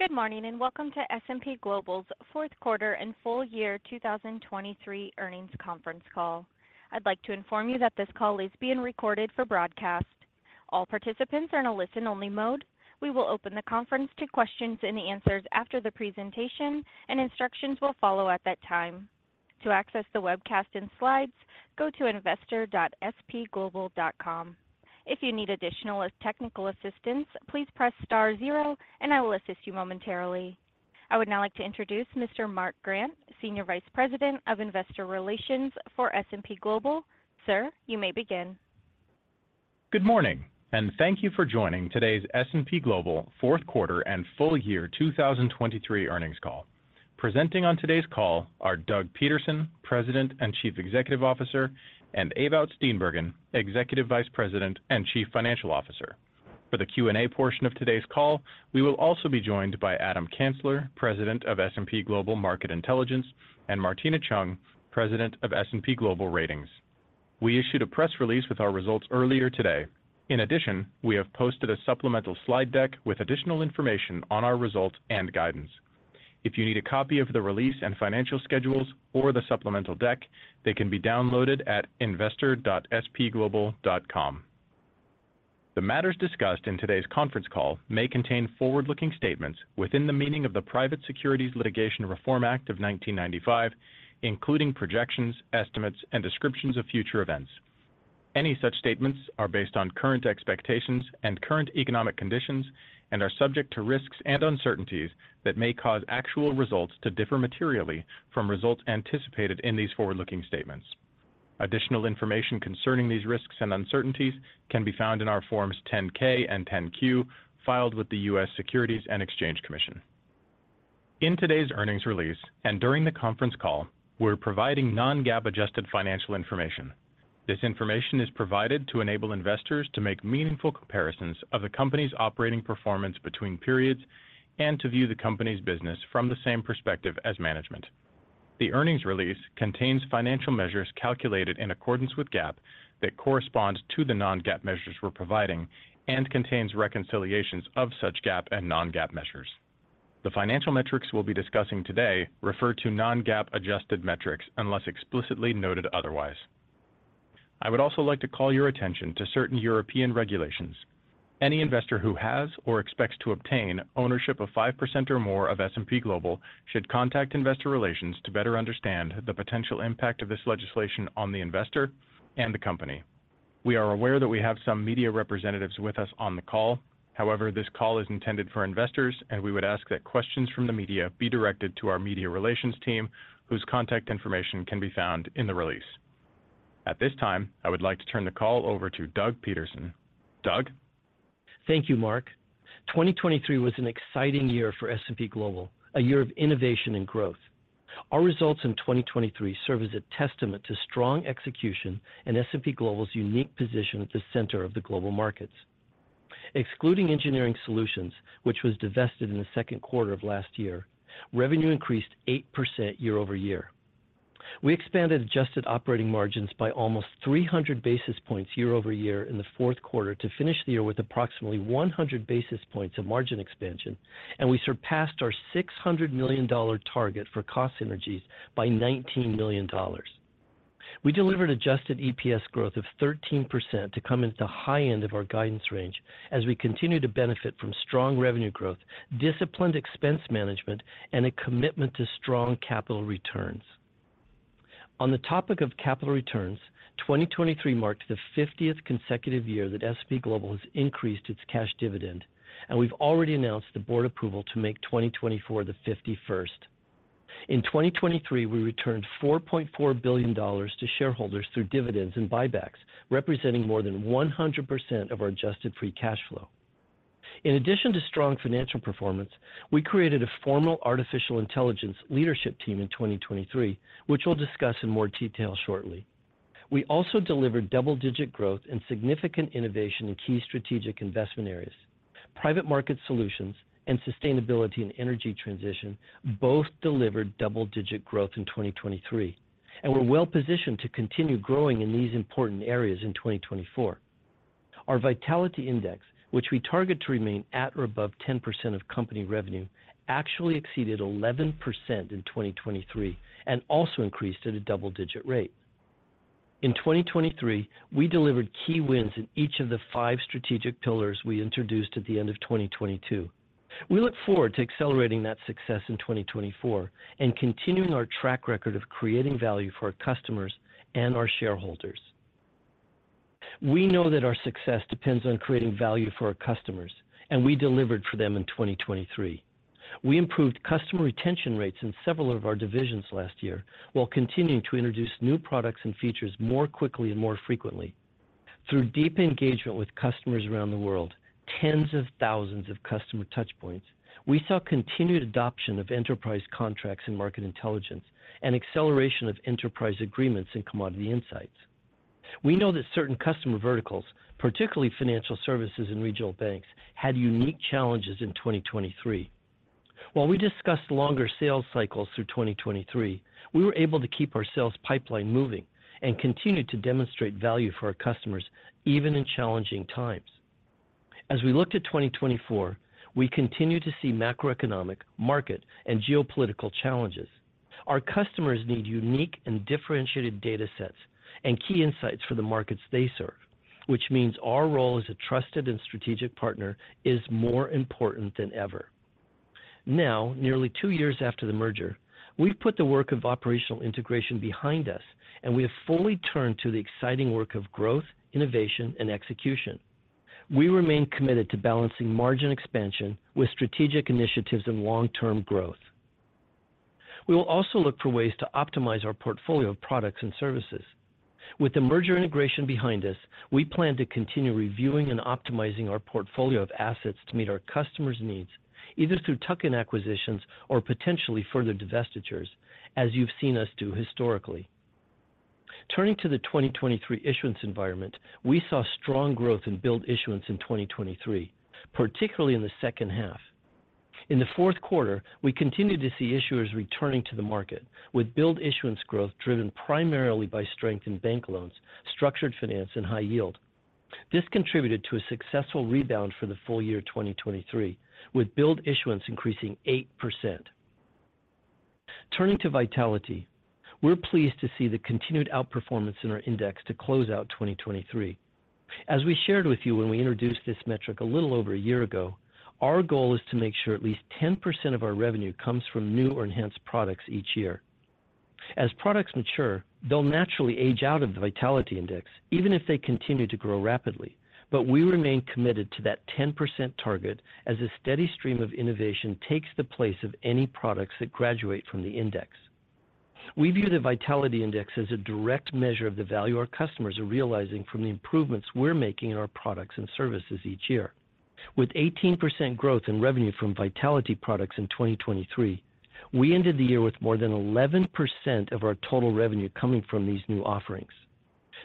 Good morning, and welcome to S&P Global's fourth quarter and full year 2023 earnings conference call. I'd like to inform you that this call is being recorded for broadcast. All participants are in a listen-only mode. We will open the conference to questions and answers after the presentation, and instructions will follow at that time. To access the webcast and slides, go to investor.spglobal.com. If you need additional technical assistance, please press star zero and I will assist you momentarily. I would now like to introduce Mr. Mark Grant, Senior Vice President of Investor Relations for S&P Global. Sir, you may begin. Good morning, and thank you for joining today's S&P Global fourth quarter and full year 2023 earnings call. Presenting on today's call are Doug Peterson, President and Chief Executive Officer, and Ewout Steenbergen, Executive Vice President and Chief Financial Officer. For the Q&A portion of today's call, we will also be joined by Adam Kansler, President of S&P Global Market Intelligence, and Martina Cheung, President of S&P Global Ratings. We issued a press release with our results earlier today. In addition, we have posted a supplemental slide deck with additional information on our results and guidance. If you need a copy of the release and financial schedules or the supplemental deck, they can be downloaded at investor.spglobal.com. The matters discussed in today's conference call may contain forward-looking statements within the meaning of the Private Securities Litigation Reform Act of 1995, including projections, estimates, and descriptions of future events. Any such statements are based on current expectations and current economic conditions and are subject to risks and uncertainties that may cause actual results to differ materially from results anticipated in these forward-looking statements. Additional information concerning these risks and uncertainties can be found in our Forms 10-K and 10-Q filed with the U.S. Securities and Exchange Commission. In today's earnings release and during the conference call, we're providing non-GAAP adjusted financial information. This information is provided to enable investors to make meaningful comparisons of the company's operating performance between periods and to view the company's business from the same perspective as management. The earnings release contains financial measures calculated in accordance with GAAP that corresponds to the non-GAAP measures we're providing and contains reconciliations of such GAAP and non-GAAP measures. The financial metrics we'll be discussing today refer to non-GAAP adjusted metrics unless explicitly noted otherwise. I would also like to call your attention to certain European regulations. Any investor who has or expects to obtain ownership of 5% or more of S&P Global should contact Investor Relations to better understand the potential impact of this legislation on the investor and the company. We are aware that we have some media representatives with us on the call. However, this call is intended for investors, and we would ask that questions from the media be directed to our media relations team, whose contact information can be found in the release. At this time, I would like to turn the call over to Doug Peterson. Doug? Thank you, Mark. 2023 was an exciting year for S&P Global, a year of innovation and growth. Our results in 2023 serve as a testament to strong execution and S&P Global's unique position at the center of the global markets. Excluding engineering solutions, which was divested in the second quarter of last year, revenue increased 8% year-over-year. We expanded adjusted operating margins by almost 300 basis points year-over-year in the fourth quarter to finish the year with approximately 100 basis points of margin expansion, and we surpassed our $600 million target for cost synergies by $19 million. We delivered adjusted EPS growth of 13% to come into the high end of our guidance range as we continue to benefit from strong revenue growth, disciplined expense management, and a commitment to strong capital returns. On the topic of capital returns, 2023 marked the 50th consecutive year that S&P Global has increased its cash dividend, and we've already announced the board approval to make 2024 the 51st. In 2023, we returned $4.4 billion to shareholders through dividends and buybacks, representing more than 100% of our adjusted free cash flow. In addition to strong financial performance, we created a formal artificial intelligence leadership team in 2023, which we'll discuss in more detail shortly. We also delivered double-digit growth and significant innovation in key strategic investment areas. Private market solutions and sustainability and energy transition both delivered double-digit growth in 2023, and we're well positioned to continue growing in these important areas in 2024. Our Vitality Index, which we target to remain at or above 10% of company revenue, actually exceeded 11% in 2023 and also increased at a double-digit rate. In 2023, we delivered key wins in each of the 5 strategic pillars we introduced at the end of 2022. We look forward to accelerating that success in 2024 and continuing our track record of creating value for our customers and our shareholders. We know that our success depends on creating value for our customers, and we delivered for them in 2023. We improved customer retention rates in several of our divisions last year, while continuing to introduce new products and features more quickly and more frequently. Through deep engagement with customers around the world, tens of thousands of customer touch points, we saw continued adoption of enterprise contracts in Market Intelligence and acceleration of enterprise agreements in Commodity Insights. We know that certain customer verticals, particularly financial services and regional banks, had unique challenges in 2023. While we discussed longer sales cycles through 2023, we were able to keep our sales pipeline moving and continued to demonstrate value for our customers even in challenging times.... As we look to 2024, we continue to see macroeconomic, market, and geopolitical challenges. Our customers need unique and differentiated data sets and key insights for the markets they serve, which means our role as a trusted and strategic partner is more important than ever. Now, nearly two years after the merger, we've put the work of operational integration behind us, and we have fully turned to the exciting work of growth, innovation, and execution. We remain committed to balancing margin expansion with strategic initiatives and long-term growth. We will also look for ways to optimize our portfolio of products and services. With the merger integration behind us, we plan to continue reviewing and optimizing our portfolio of assets to meet our customers' needs, either through tuck-in acquisitions or potentially further divestitures, as you've seen us do historically. Turning to the 2023 issuance environment, we saw strong growth in build issuance in 2023, particularly in the second half. In the fourth quarter, we continued to see issuers returning to the market, with build issuance growth driven primarily by strength in bank loans, structured finance, and high yield. This contributed to a successful rebound for the full year 2023, with build issuance increasing 8%. Turning to Vitality, we're pleased to see the continued outperformance in our index to close out 2023. As we shared with you when we introduced this metric a little over a year ago, our goal is to make sure at least 10% of our revenue comes from new or enhanced products each year. As products mature, they'll naturally age out of the Vitality Index, even if they continue to grow rapidly. But we remain committed to that 10% target as a steady stream of innovation takes the place of any products that graduate from the index. We view the Vitality Index as a direct measure of the value our customers are realizing from the improvements we're making in our products and services each year. With 18% growth in revenue from Vitality products in 2023, we ended the year with more than 11% of our total revenue coming from these new offerings.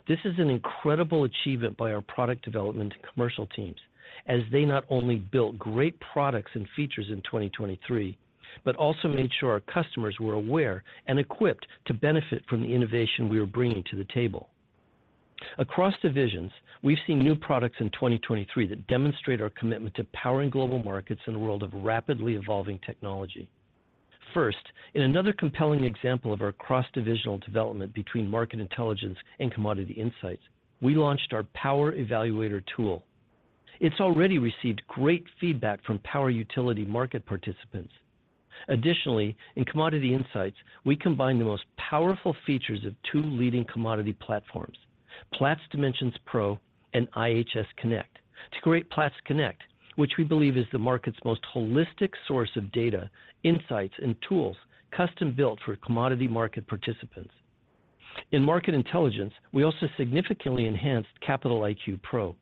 This is an incredible achievement by our product development and commercial teams as they not only built great products and features in 2023, but also made sure our customers were aware and equipped to benefit from the innovation we were bringing to the table. Across divisions, we've seen new products in 2023 that demonstrate our commitment to powering global markets in a world of rapidly evolving technology. First, in another compelling example of our cross-divisional development between Market Intelligence and Commodity Insights, we launched our Power Evaluator tool. It's already received great feedback from power utility market participants. Additionally, in Commodity Insights, we combined the most powerful features of two leading commodity platforms, Platts Dimensions Pro and IHS Connect, to create Platts Connect, which we believe is the market's most holistic source of data, insights, and tools, custom-built for commodity market participants. In Market Intelligence, we also significantly enhanced Capital IQ Pro.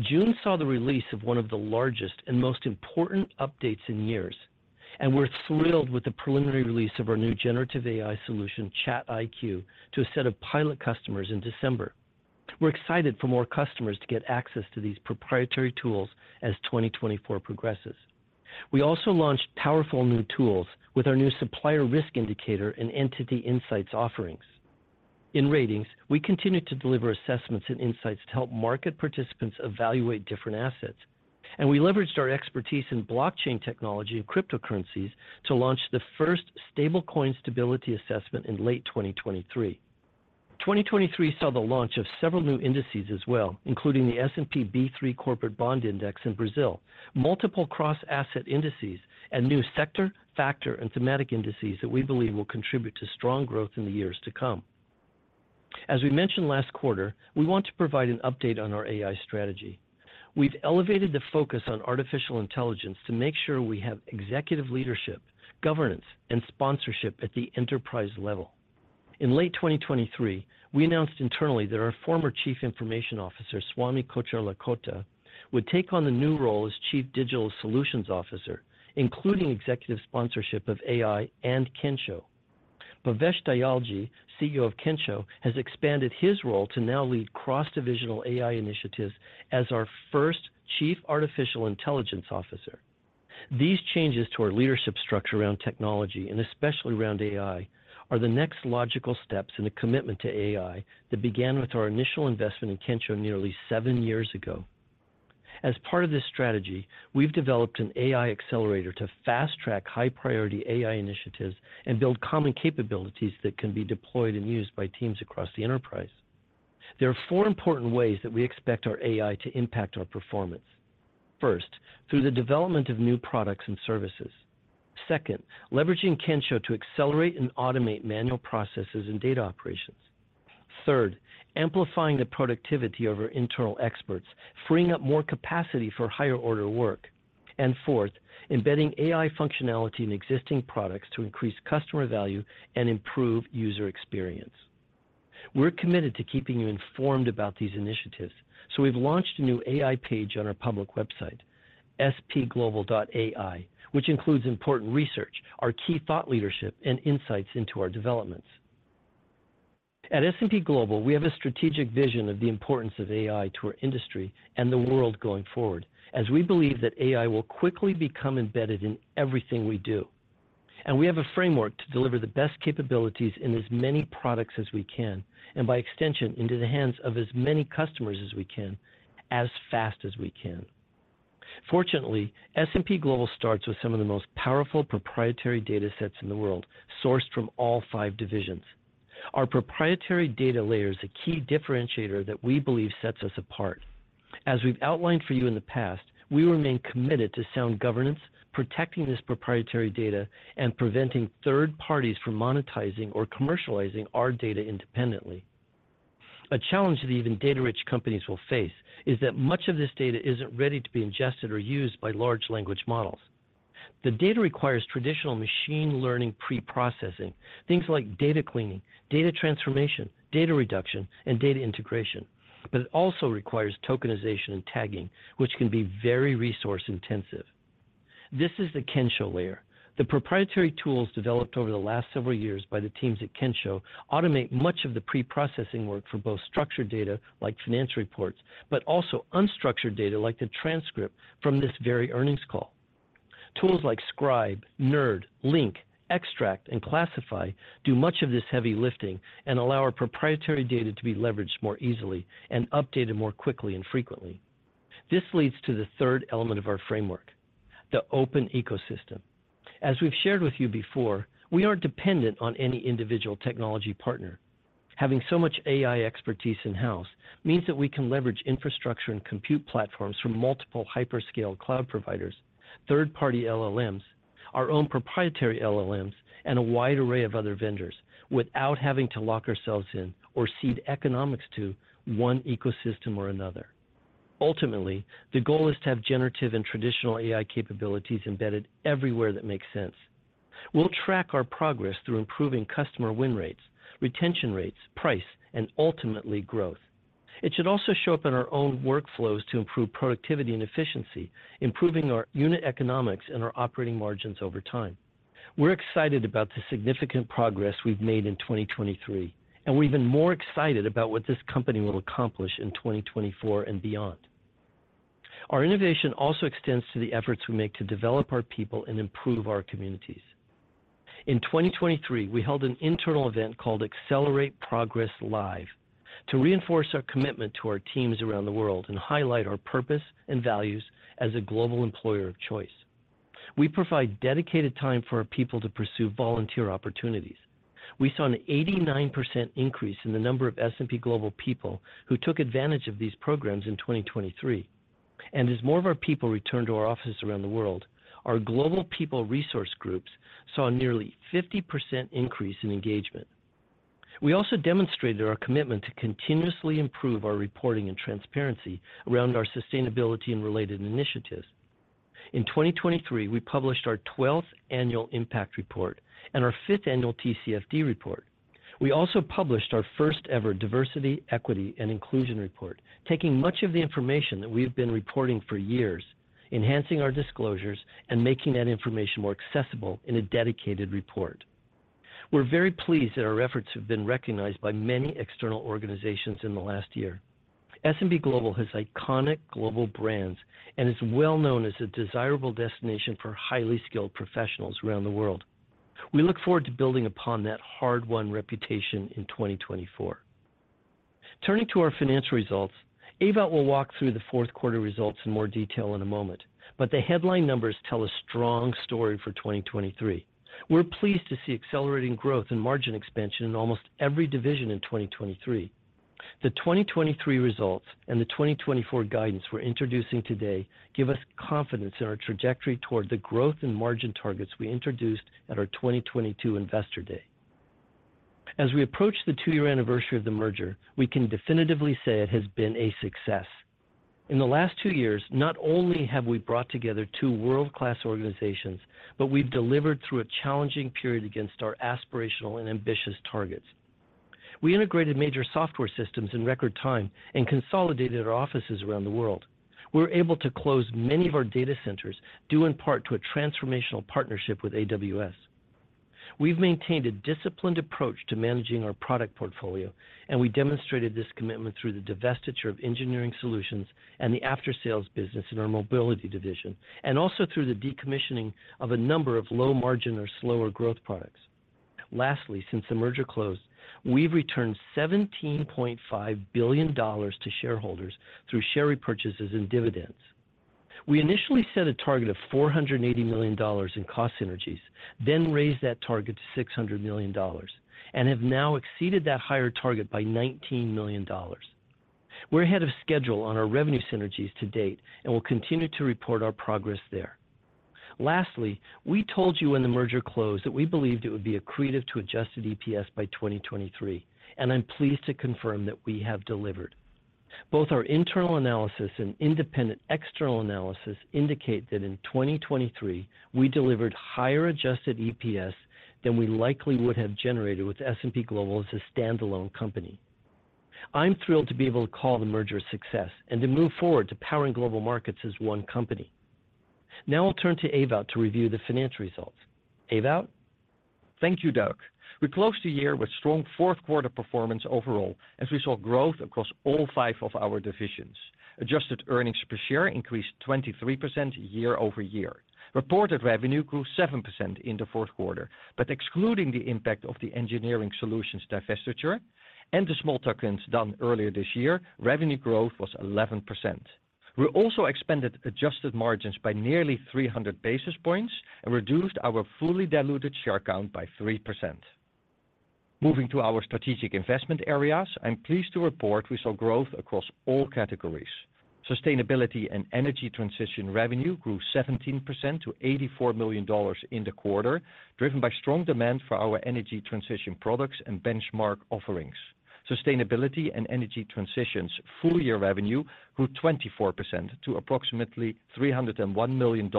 June saw the release of one of the largest and most important updates in years, and we're thrilled with the preliminary release of our new generative AI solution, ChatIQ, to a set of pilot customers in December. We're excited for more customers to get access to these proprietary tools as 2024 progresses. We also launched powerful new tools with our new Supplier Risk Indicator and Entity Insights offerings. In Ratings, we continued to deliver assessments and insights to help market participants evaluate different assets, and we leveraged our expertise in blockchain technology and cryptocurrencies to launch the first stablecoin stability assessment in late 2023. 2023 saw the launch of several new indices as well, including the S&P B3 Corporate Bond Index in Brazil, multiple cross-asset indices, and new sector, factor, and thematic indices that we believe will contribute to strong growth in the years to come. As we mentioned last quarter, we want to provide an update on our AI strategy. We've elevated the focus on artificial intelligence to make sure we have executive leadership, governance, and sponsorship at the enterprise level. In late 2023, we announced internally that our former Chief Information Officer, Swamy Kocherlakota, would take on the new role as Chief Digital Solutions Officer, including executive sponsorship of AI and Kensho. Bhavesh Dayalji, CEO of Kensho, has expanded his role to now lead cross-divisional AI initiatives as our first Chief Artificial Intelligence Officer. These changes to our leadership structure around technology, and especially around AI, are the next logical steps in a commitment to AI that began with our initial investment in Kensho nearly seven years ago. As part of this strategy, we've developed an AI accelerator to fast-track high-priority AI initiatives and build common capabilities that can be deployed and used by teams across the enterprise. There are four important ways that we expect our AI to impact our performance. First, through the development of new products and services. Second, leveraging Kensho to accelerate and automate manual processes and data operations. Third, amplifying the productivity of our internal experts, freeing up more capacity for higher-order work. Fourth, embedding AI functionality in existing products to increase customer value and improve user experience. We're committed to keeping you informed about these initiatives, so we've launched a new AI page on our public website, spglobal.ai, which includes important research, our key thought leadership, and insights into our developments. At S&P Global, we have a strategic vision of the importance of AI to our industry and the world going forward, as we believe that AI will quickly become embedded in everything we do.... And we have a framework to deliver the best capabilities in as many products as we can, and by extension, into the hands of as many customers as we can, as fast as we can. Fortunately, S&P Global starts with some of the most powerful proprietary data sets in the world, sourced from all five divisions. Our proprietary data layer is a key differentiator that we believe sets us apart. As we've outlined for you in the past, we remain committed to sound governance, protecting this proprietary data, and preventing third parties from monetizing or commercializing our data independently. A challenge that even data-rich companies will face is that much of this data isn't ready to be ingested or used by large language models. The data requires traditional machine learning pre-processing, things like data cleaning, data transformation, data reduction, and data integration, but it also requires tokenization and tagging, which can be very resource-intensive. This is the Kensho layer. The proprietary tools developed over the last several years by the teams at Kensho automate much of the pre-processing work for both structured data, like financial reports, but also unstructured data, like the transcript from this very earnings call. Tools like Scribe, Nerd, Link, Extract, and Classify do much of this heavy lifting and allow our proprietary data to be leveraged more easily and updated more quickly and frequently. This leads to the third element of our framework, the open ecosystem. As we've shared with you before, we aren't dependent on any individual technology partner. Having so much AI expertise in-house means that we can leverage infrastructure and compute platforms from multiple hyperscale cloud providers, third-party LLMs, our own proprietary LLMs, and a wide array of other vendors, without having to lock ourselves in or cede economics to one ecosystem or another. Ultimately, the goal is to have generative and traditional AI capabilities embedded everywhere that makes sense. We'll track our progress through improving customer win rates, retention rates, price, and ultimately, growth. It should also show up in our own workflows to improve productivity and efficiency, improving our unit economics and our operating margins over time. We're excited about the significant progress we've made in 2023, and we're even more excited about what this company will accomplish in 2024 and beyond. Our innovation also extends to the efforts we make to develop our people and improve our communities. In 2023, we held an internal event called Accelerate Progress Live to reinforce our commitment to our teams around the world and highlight our purpose and values as a global employer of choice. We provide dedicated time for our people to pursue volunteer opportunities. We saw an 89% increase in the number of S&P Global people who took advantage of these programs in 2023. As more of our people return to our offices around the world, our global people resource groups saw a nearly 50% increase in engagement. We also demonstrated our commitment to continuously improve our reporting and transparency around our sustainability and related initiatives. In 2023, we published our twelfth annual Impact Report and our fifth annual TCFD report. We also published our first-ever Diversity, Equity, and Inclusion report, taking much of the information that we've been reporting for years, enhancing our disclosures, and making that information more accessible in a dedicated report. We're very pleased that our efforts have been recognized by many external organizations in the last year. S&P Global has iconic global brands and is well known as a desirable destination for highly skilled professionals around the world. We look forward to building upon that hard-won reputation in 2024. Turning to our financial results, Ewout will walk through the fourth quarter results in more detail in a moment, but the headline numbers tell a strong story for 2023. We're pleased to see accelerating growth and margin expansion in almost every division in 2023. The 2023 results and the 2024 guidance we're introducing today give us confidence in our trajectory toward the growth and margin targets we introduced at our 2022 Investor Day. As we approach the 2-year anniversary of the merger, we can definitively say it has been a success. In the last 2 years, not only have we brought together two world-class organizations, but we've delivered through a challenging period against our aspirational and ambitious targets. We integrated major software systems in record time and consolidated our offices around the world. We were able to close many of our data centers, due in part to a transformational partnership with AWS. We've maintained a disciplined approach to managing our product portfolio, and we demonstrated this commitment through the divestiture of engineering solutions and the aftersales business in our mobility division, and also through the decommissioning of a number of low-margin or slower growth products. Lastly, since the merger closed, we've returned $17.5 billion to shareholders through share repurchases and dividends. We initially set a target of $480 million in cost synergies, then raised that target to $600 million, and have now exceeded that higher target by $19 million. We're ahead of schedule on our revenue synergies to date and will continue to report our progress there. Lastly, we told you when the merger closed, that we believed it would be accretive to adjusted EPS by 2023, and I'm pleased to confirm that we have delivered. Both our internal analysis and independent external analysis indicate that in 2023, we delivered higher adjusted EPS than we likely would have generated with S&P Global as a standalone company. I'm thrilled to be able to call the merger a success and to move forward to powering global markets as one company. Now I'll turn to Ewout to review the financial results. Ewout? Thank you, Doug. We closed the year with strong fourth quarter performance overall, as we saw growth across all five of our divisions. Adjusted earnings per share increased 23% year-over-year. Reported revenue grew 7% in the fourth quarter, but excluding the impact of the engineering solutions divestiture and the small tokens done earlier this year, revenue growth was 11%. We also expanded adjusted margins by nearly 300 basis points and reduced our fully diluted share count by 3%. Moving to our strategic investment areas, I'm pleased to report we saw growth across all categories. Sustainability and energy transition revenue grew 17% to $84 million in the quarter, driven by strong demand for our energy transition products and benchmark offerings. Sustainability and energy transitions full year revenue grew 24% to approximately $301 million.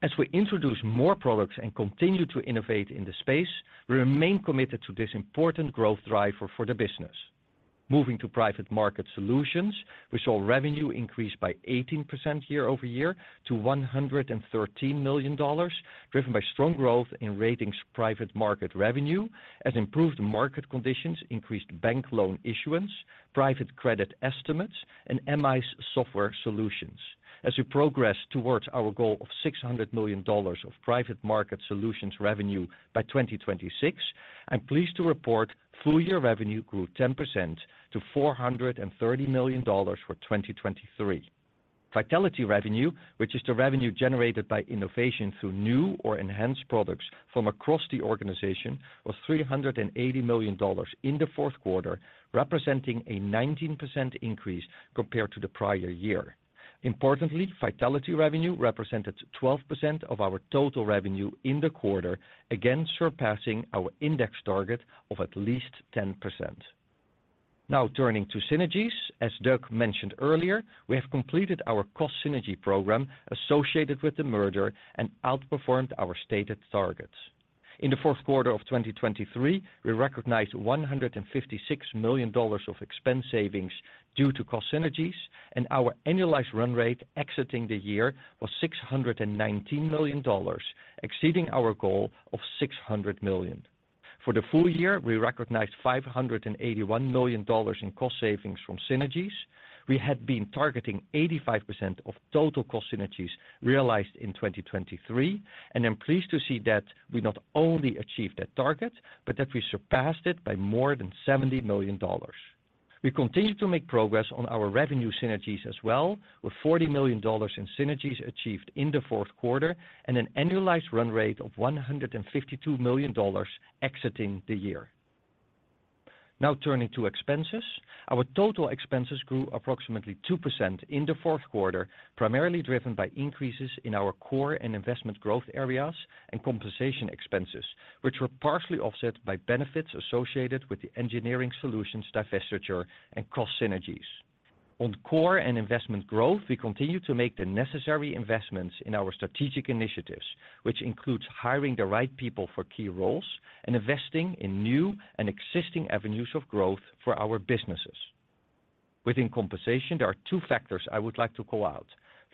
As we introduce more products and continue to innovate in the space, we remain committed to this important growth driver for the business. Moving to private market solutions, we saw revenue increase by 18% year-over-year to $113 million, driven by strong growth in ratings private market revenue, as improved market conditions increased bank loan issuance, private credit estimates, and MI's software solutions. As we progress towards our goal of $600 million of private market solutions revenue by 2026, I'm pleased to report full-year revenue grew 10% to $430 million for 2023. Vitality revenue, which is the revenue generated by innovation through new or enhanced products from across the organization, was $380 million in the fourth quarter, representing a 19% increase compared to the prior year. Importantly, vitality revenue represented 12% of our total revenue in the quarter, again surpassing our index target of at least 10%. Now, turning to synergies. As Doug mentioned earlier, we have completed our cost synergy program associated with the merger and outperformed our stated targets. In the fourth quarter of 2023, we recognized $156 million of expense savings due to cost synergies, and our annualized run rate exiting the year was $619 million, exceeding our goal of $600 million. For the full year, we recognized $581 million in cost savings from synergies. We had been targeting 85% of total cost synergies realized in 2023, and I'm pleased to see that we not only achieved that target, but that we surpassed it by more than $70 million. We continued to make progress on our revenue synergies as well, with $40 million in synergies achieved in the fourth quarter and an annualized run rate of $152 million exiting the year. Now, turning to expenses. Our total expenses grew approximately 2% in the fourth quarter, primarily driven by increases in our core and investment growth areas and compensation expenses, which were partially offset by benefits associated with the engineering solutions, divestiture, and cost synergies. On core and investment growth, we continue to make the necessary investments in our strategic initiatives, which includes hiring the right people for key roles and investing in new and existing avenues of growth for our businesses. Within compensation, there are two factors I would like to call out.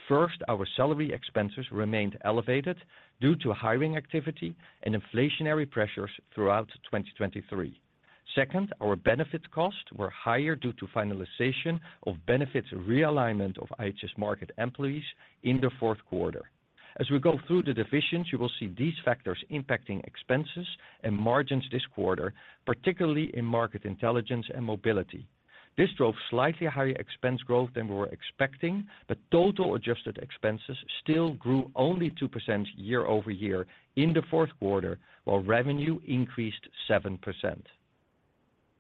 First, our salary expenses remained elevated due to hiring activity and inflationary pressures throughout 2023. Second, our benefit costs were higher due to finalization of benefits realignment of IHS Markit employees in the fourth quarter. As we go through the divisions, you will see these factors impacting expenses and margins this quarter, particularly in Market Intelligence and Mobility. This drove slightly higher expense growth than we were expecting, but total adjusted expenses still grew only 2% year-over-year in the fourth quarter, while revenue increased 7%.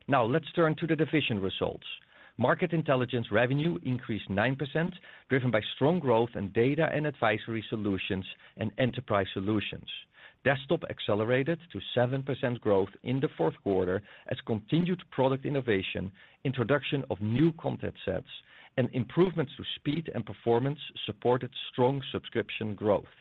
Now, let's turn to the division results. Market Intelligence revenue increased 9%, driven by strong growth in data and advisory solutions and enterprise solutions. Desktop accelerated to 7% growth in the fourth quarter as continued product innovation, introduction of new content sets, and improvements to speed and performance supported strong subscription growth.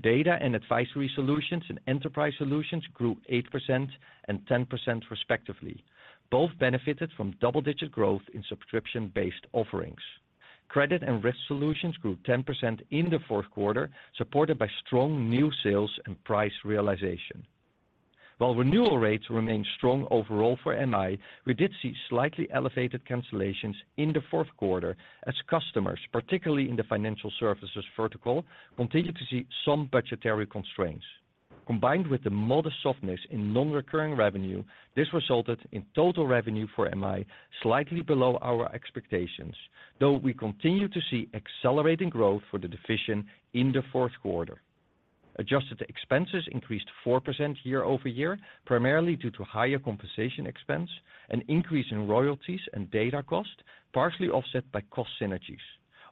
Data and advisory solutions and enterprise solutions grew 8% and 10%, respectively. Both benefited from double-digit growth in subscription-based offerings. Credit and risk solutions grew 10% in the fourth quarter, supported by strong new sales and price realization. While renewal rates remained strong overall for MI, we did see slightly elevated cancellations in the fourth quarter as customers, particularly in the financial services vertical, continued to see some budgetary constraints. Combined with the modest softness in non-recurring revenue, this resulted in total revenue for MI, slightly below our expectations, though we continue to see accelerating growth for the division in the fourth quarter. Adjusted expenses increased 4% year-over-year, primarily due to higher compensation expense and increase in royalties and data costs, partially offset by cost synergies.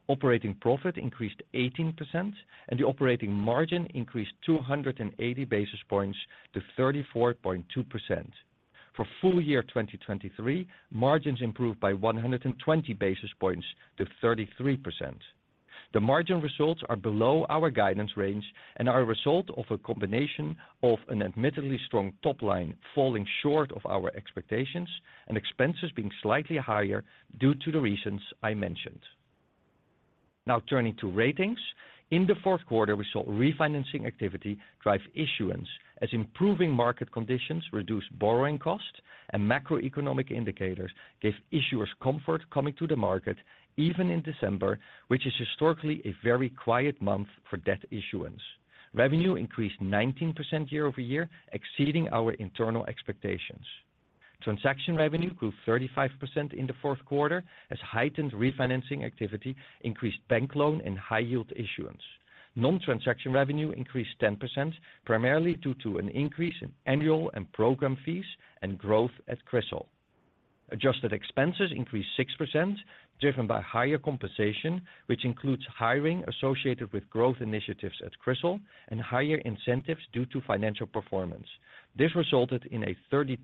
Operating profit increased 18% and the operating margin increased 280 basis points to 34.2%. For full year 2023, margins improved by 120 basis points to 33%. The margin results are below our guidance range and are a result of a combination of an admittedly strong top line, falling short of our expectations and expenses being slightly higher due to the reasons I mentioned. Now turning to Ratings. In the fourth quarter, we saw refinancing activity drive issuance as improving market conditions reduced borrowing costs and macroeconomic indicators gave issuers comfort coming to the market, even in December, which is historically a very quiet month for debt issuance. Revenue increased 19% year-over-year, exceeding our internal expectations. Transaction revenue grew 35% in the fourth quarter as heightened refinancing activity increased bank loan and high yield issuance. Non-transaction revenue increased 10%, primarily due to an increase in annual and program fees and growth at CRISIL. Adjusted expenses increased 6%, driven by higher compensation, which includes hiring associated with growth initiatives at CRISIL and higher incentives due to financial performance. This resulted in a 32%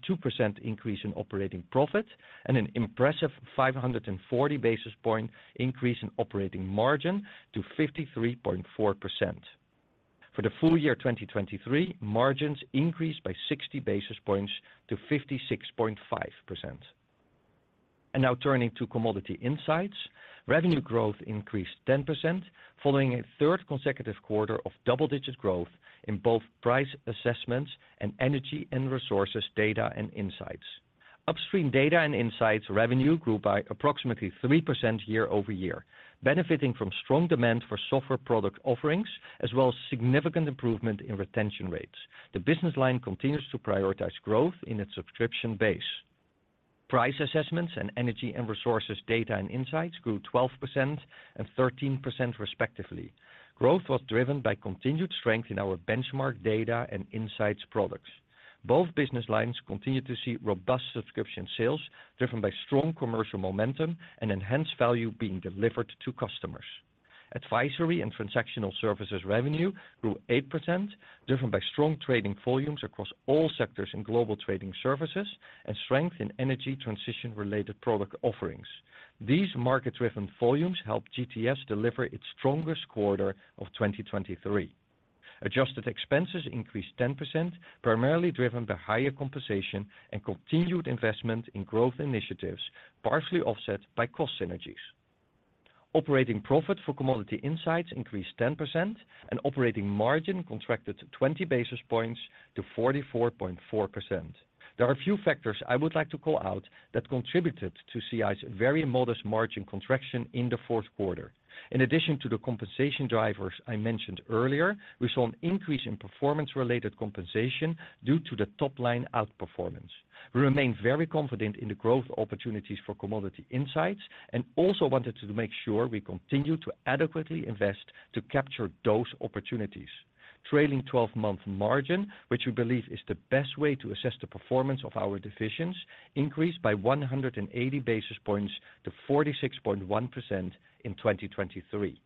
increase in operating profit and an impressive 540 basis point increase in operating margin to 53.4%. For the full year 2023, margins increased by 60 basis points to 56.5%. And now turning to Commodity Insights. Revenue growth increased 10%, following a third consecutive quarter of double-digit growth in both price assessments and energy and resources, data and insights. Upstream data and insights revenue grew by approximately 3% year-over-year, benefiting from strong demand for software product offerings, as well as significant improvement in retention rates. The business line continues to prioritize growth in its subscription base. Price assessments and energy and resources, data and insights grew 12% and 13% respectively. Growth was driven by continued strength in our benchmark data and insights products. Both business lines continued to see robust subscription sales, driven by strong commercial momentum and enhanced value being delivered to customers. Advisory and transactional services revenue grew 8%, driven by strong trading volumes across all sectors in global trading services and strength in energy transition-related product offerings. These market-driven volumes helped GTS deliver its strongest quarter of 2023. Adjusted expenses increased 10%, primarily driven by higher compensation and continued investment in growth initiatives, partially offset by cost synergies. Operating profit for Commodity Insights increased 10%, and operating margin contracted to 20 basis points to 44.4%. There are a few factors I would like to call out that contributed to CI's very modest margin contraction in the fourth quarter. In addition to the compensation drivers I mentioned earlier, we saw an increase in performance-related compensation due to the top-line outperformance. We remain very confident in the growth opportunities for Commodity Insights and also wanted to make sure we continue to adequately invest to capture those opportunities. Trailing-twelve-month margin, which we believe is the best way to assess the performance of our divisions, increased by 100 basis points to 46.1% in 2023.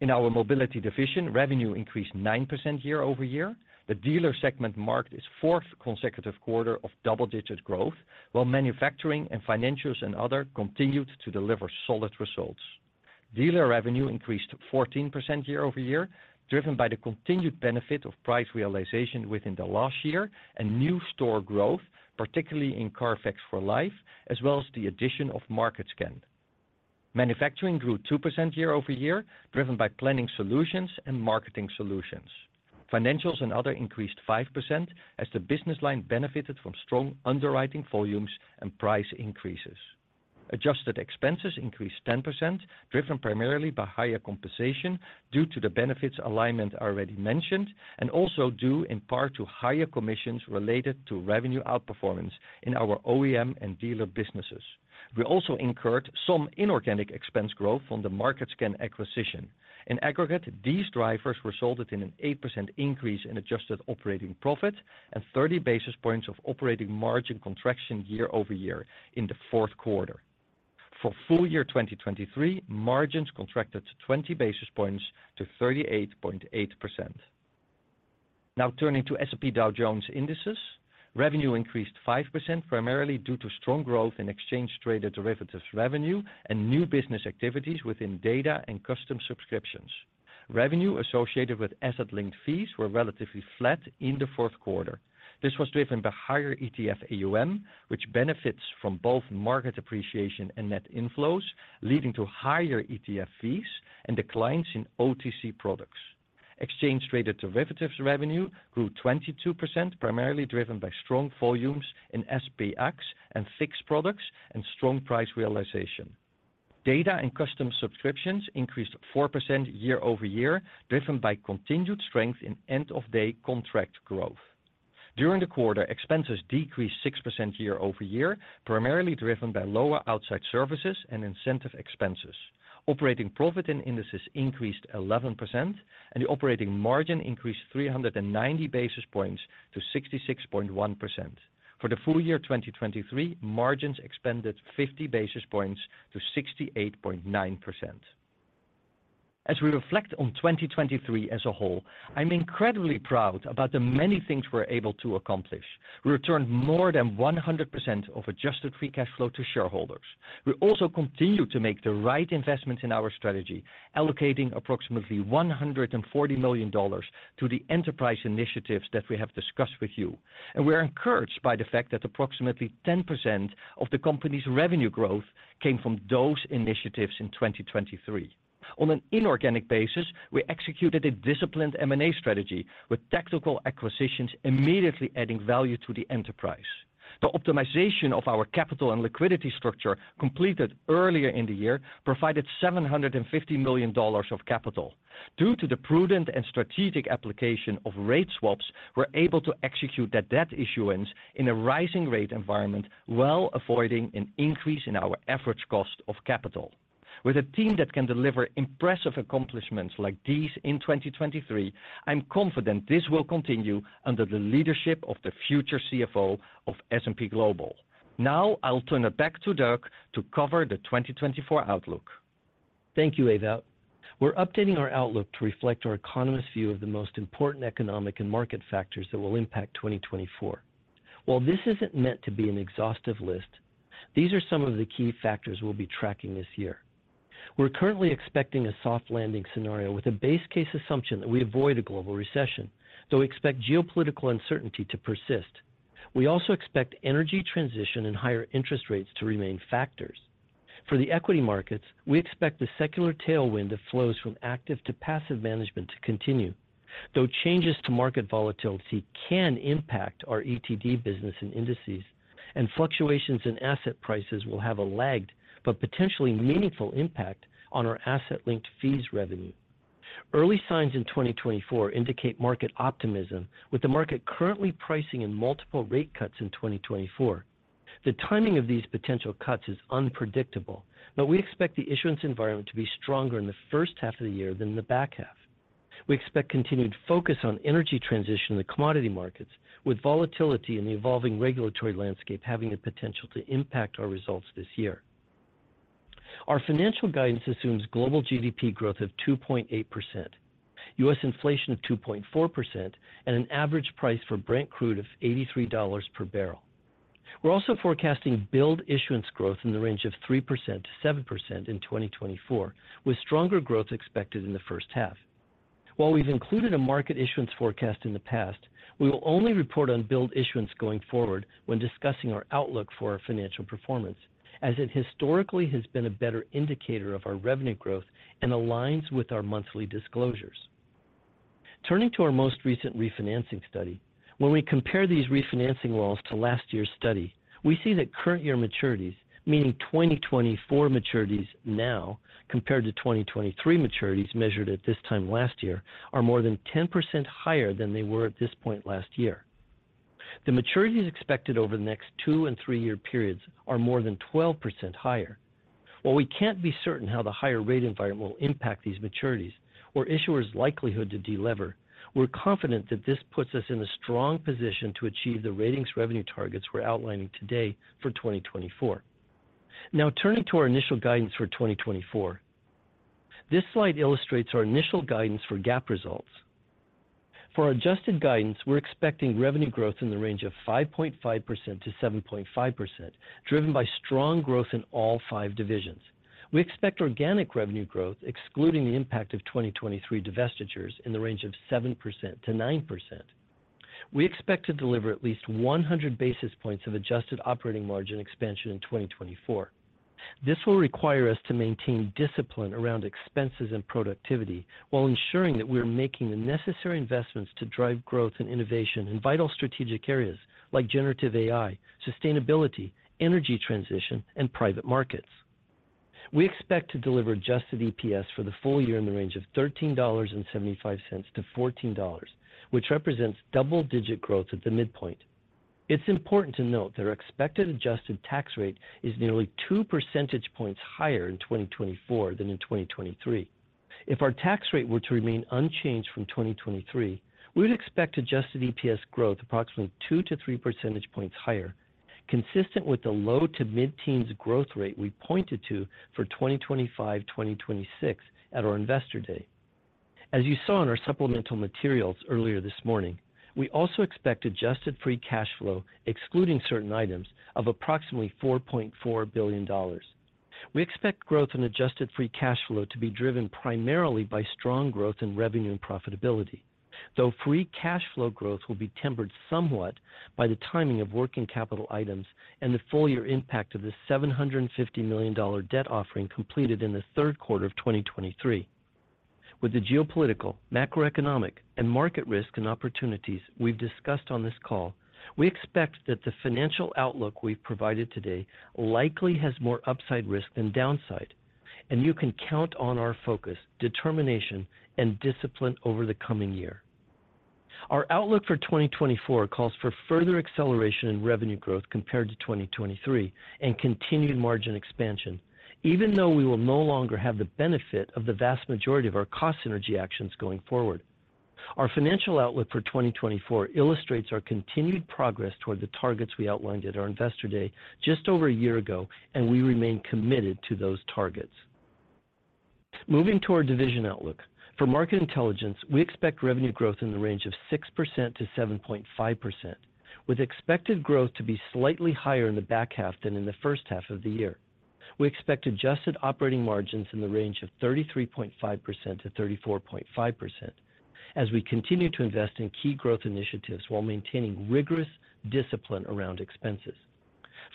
In our Mobility division, revenue increased 9% year-over-year. The dealer segment marked its fourth consecutive quarter of double-digit growth, while manufacturing and financials and other continued to deliver solid results. Dealer revenue increased 14% year-over-year, driven by the continued benefit of price realization within the last year and new store growth, particularly in CARFAX for Life, as well as the addition of MarketScan. Manufacturing grew 2% year-over-year, driven by planning solutions and marketing solutions. Financials and other increased 5%, as the business line benefited from strong underwriting volumes and price increases. Adjusted expenses increased 10%, driven primarily by higher compensation due to the benefits alignment already mentioned, and also due in part to higher commissions related to revenue outperformance in our OEM and dealer businesses. We also incurred some inorganic expense growth from the MarketScan acquisition. In aggregate, these drivers resulted in an 8% increase in adjusted operating profit and 30 basis points of operating margin contraction year-over-year in the fourth quarter. For full year 2023, margins contracted to 20 basis points to 38.8%. Now turning to S&P Dow Jones Indices. Revenue increased 5%, primarily due to strong growth in exchange traded derivatives revenue and new business activities within data and custom subscriptions. Revenue associated with asset-linked fees were relatively flat in the fourth quarter. This was driven by higher ETF AUM, which benefits from both market appreciation and net inflows, leading to higher ETF fees and declines in OTC products. Exchange traded derivatives revenue grew 22%, primarily driven by strong volumes in SPX and fixed products and strong price realization. Data and custom subscriptions increased 4% year-over-year, driven by continued strength in end-of-day contract growth. During the quarter, expenses decreased 6% year-over-year, primarily driven by lower outside services and incentive expenses. Operating profit in Indices increased 11%, and the operating margin increased 390 basis points to 66.1%. For the full year 2023, margins expanded 50 basis points to 68.9%. As we reflect on 2023 as a whole, I'm incredibly proud about the many things we're able to accomplish. We returned more than 100% of adjusted free cash flow to shareholders. We also continued to make the right investments in our strategy, allocating approximately $140 million to the enterprise initiatives that we have discussed with you. And we are encouraged by the fact that approximately 10% of the company's revenue growth came from those initiatives in 2023.... On an inorganic basis, we executed a disciplined M&A strategy, with tactical acquisitions immediately adding value to the enterprise. The optimization of our capital and liquidity structure, completed earlier in the year, provided $750 million of capital. Due to the prudent and strategic application of rate swaps, we're able to execute that debt issuance in a rising rate environment, while avoiding an increase in our average cost of capital. With a team that can deliver impressive accomplishments like these in 2023, I'm confident this will continue under the leadership of the future CFO of S&P Global. Now, I'll turn it back to Doug to cover the 2024 outlook. Thank you, Ewout. We're updating our outlook to reflect our economists' view of the most important economic and market factors that will impact 2024. While this isn't meant to be an exhaustive list, these are some of the key factors we'll be tracking this year. We're currently expecting a soft landing scenario with a base case assumption that we avoid a global recession, though we expect geopolitical uncertainty to persist. We also expect energy transition and higher interest rates to remain factors. For the equity markets, we expect the secular tailwind that flows from active to passive management to continue. Though changes to market volatility can impact our ETD business and indices, and fluctuations in asset prices will have a lagged, but potentially meaningful impact on our asset-linked fees revenue. Early signs in 2024 indicate market optimism, with the market currently pricing in multiple rate cuts in 2024. The timing of these potential cuts is unpredictable, but we expect the issuance environment to be stronger in the first half of the year than in the back half. We expect continued focus on energy transition in the commodity markets, with volatility in the evolving regulatory landscape having the potential to impact our results this year. Our financial guidance assumes global GDP growth of 2.8%, U.S. inflation of 2.4%, and an average price for Brent crude of $83 per barrel. We're also forecasting Build issuance growth in the range of 3%-7% in 2024, with stronger growth expected in the first half. While we've included a market issuance forecast in the past, we will only report on build issuance going forward when discussing our outlook for our financial performance, as it historically has been a better indicator of our revenue growth and aligns with our monthly disclosures. Turning to our most recent refinancing study, when we compare these refinancing flows to last year's study, we see that current year maturities, meaning 2024 maturities now compared to 2023 maturities measured at this time last year, are more than 10% higher than they were at this point last year. The maturities expected over the next two and three-year periods are more than 12% higher. While we can't be certain how the higher rate environment will impact these maturities or issuers' likelihood to delever, we're confident that this puts us in a strong position to achieve the ratings revenue targets we're outlining today for 2024. Now, turning to our initial guidance for 2024. This slide illustrates our initial guidance for GAAP results. For our adjusted guidance, we're expecting revenue growth in the range of 5.5%-7.5%, driven by strong growth in all five divisions. We expect organic revenue growth, excluding the impact of 2023 divestitures in the range of 7%-9%. We expect to deliver at least 100 basis points of adjusted operating margin expansion in 2024. This will require us to maintain discipline around expenses and productivity while ensuring that we are making the necessary investments to drive growth and innovation in vital strategic areas like generative AI, sustainability, energy transition, and private markets. We expect to deliver adjusted EPS for the full year in the range of $13.75-$14, which represents double-digit growth at the midpoint. It's important to note that our expected adjusted tax rate is nearly 2 percentage points higher in 2024 than in 2023. If our tax rate were to remain unchanged from 2023, we would expect adjusted EPS growth approximately 2-3 percentage points higher, consistent with the low to mid-teens growth rate we pointed to for 2025, 2026 at our Investor Day. As you saw in our supplemental materials earlier this morning, we also expect adjusted free cash flow, excluding certain items, of approximately $4.4 billion. We expect growth in adjusted free cash flow to be driven primarily by strong growth in revenue and profitability, though free cash flow growth will be tempered somewhat by the timing of working capital items and the full year impact of the $750 million debt offering completed in the third quarter of 2023. With the geopolitical, macroeconomic, and market risk and opportunities we've discussed on this call, we expect that the financial outlook we've provided today likely has more upside risk than downside, and you can count on our focus, determination, and discipline over the coming year. Our outlook for 2024 calls for further acceleration in revenue growth compared to 2023 and continued margin expansion, even though we will no longer have the benefit of the vast majority of our cost synergy actions going forward. Our financial outlook for 2024 illustrates our continued progress toward the targets we outlined at our Investor Day just over a year ago, and we remain committed to those targets. Moving to our division outlook. For Market Intelligence, we expect revenue growth in the range of 6%-7.5%, with expected growth to be slightly higher in the back half than in the first half of the year. We expect adjusted operating margins in the range of 33.5%-34.5% as we continue to invest in key growth initiatives while maintaining rigorous discipline around expenses.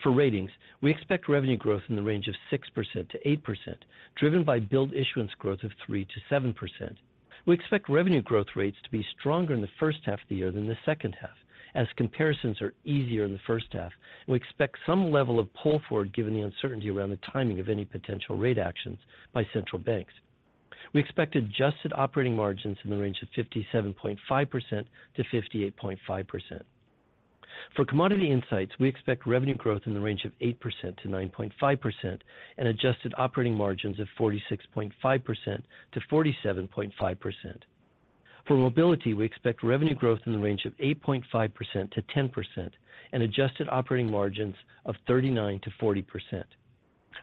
For ratings, we expect revenue growth in the range of 6%-8%, driven by Build issuance growth of 3%-7%. We expect revenue growth rates to be stronger in the first half of the year than the second half, as comparisons are easier in the first half, and we expect some level of pull forward given the uncertainty around the timing of any potential rate actions by central banks. We expect adjusted operating margins in the range of 57.5%-58.5%. For Commodity Insights, we expect revenue growth in the range of 8%-9.5% and adjusted operating margins of 46.5%-47.5%. For Mobility, we expect revenue growth in the range of 8.5%-10% and adjusted operating margins of 39%-40%.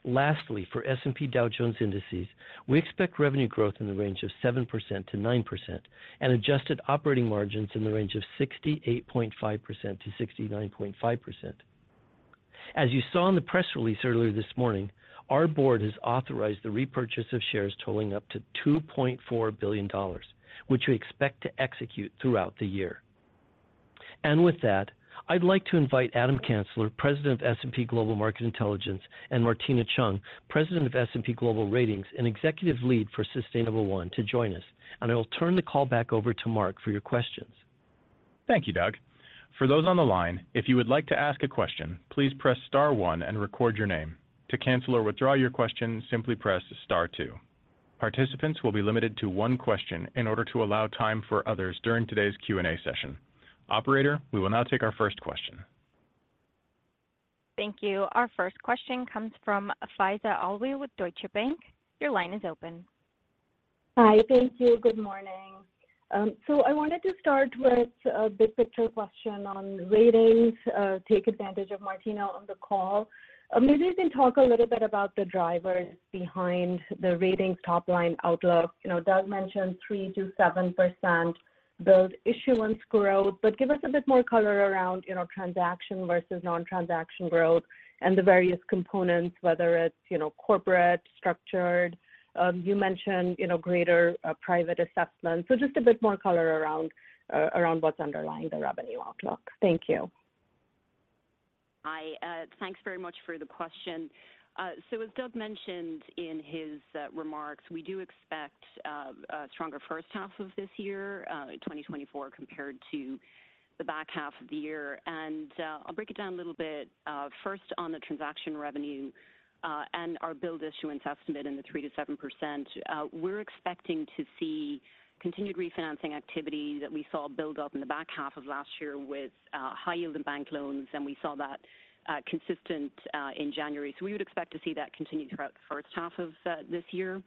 Lastly, for S&P Dow Jones Indices, we expect revenue growth in the range of 7%-9% and adjusted operating margins in the range of 68.5%-69.5%. As you saw in the press release earlier this morning, our board has authorized the repurchase of shares totaling up to $2.4 billion, which we expect to execute throughout the year. With that, I'd like to invite Adam Kansler, President of S&P Global Market Intelligence, and Martina Cheung, President of S&P Global Ratings and Executive Lead for Sustainable1, to join us. I will turn the call back over to Mark for your questions. Thank you, Doug. For those on the line, if you would like to ask a question, please press star one and record your name. To cancel or withdraw your question, simply press star two. Participants will be limited to one question in order to allow time for others during today's Q&A session. Operator, we will now take our first question. Thank you. Our first question comes from Faiza Alwy with Deutsche Bank. Your line is open. Hi. Thank you. Good morning. I wanted to start with a big picture question on ratings, take advantage of Martina on the call. Maybe you can talk a little bit about the drivers behind the ratings top line outlook. You know, Doug mentioned 3%-7% build issuance growth, but give us a bit more color around, you know, transaction versus non-transaction growth and the various components, whether it's, you know, corporate, structured. You mentioned, you know, greater private assessments. So just a bit more color around what's underlying the revenue outlook. Thank you. Hi, thanks very much for the question. So as Doug mentioned in his remarks, we do expect a stronger first half of this year, in 2024, compared to the back half of the year. I'll break it down a little bit. First, on the transaction revenue, and our Build issuance estimate in the 3%-7%. We're expecting to see continued refinancing activity that we saw build up in the back half of last year with high yield and bank loans, and we saw that consistent in January. So we would expect to see that continue throughout the first half of this year.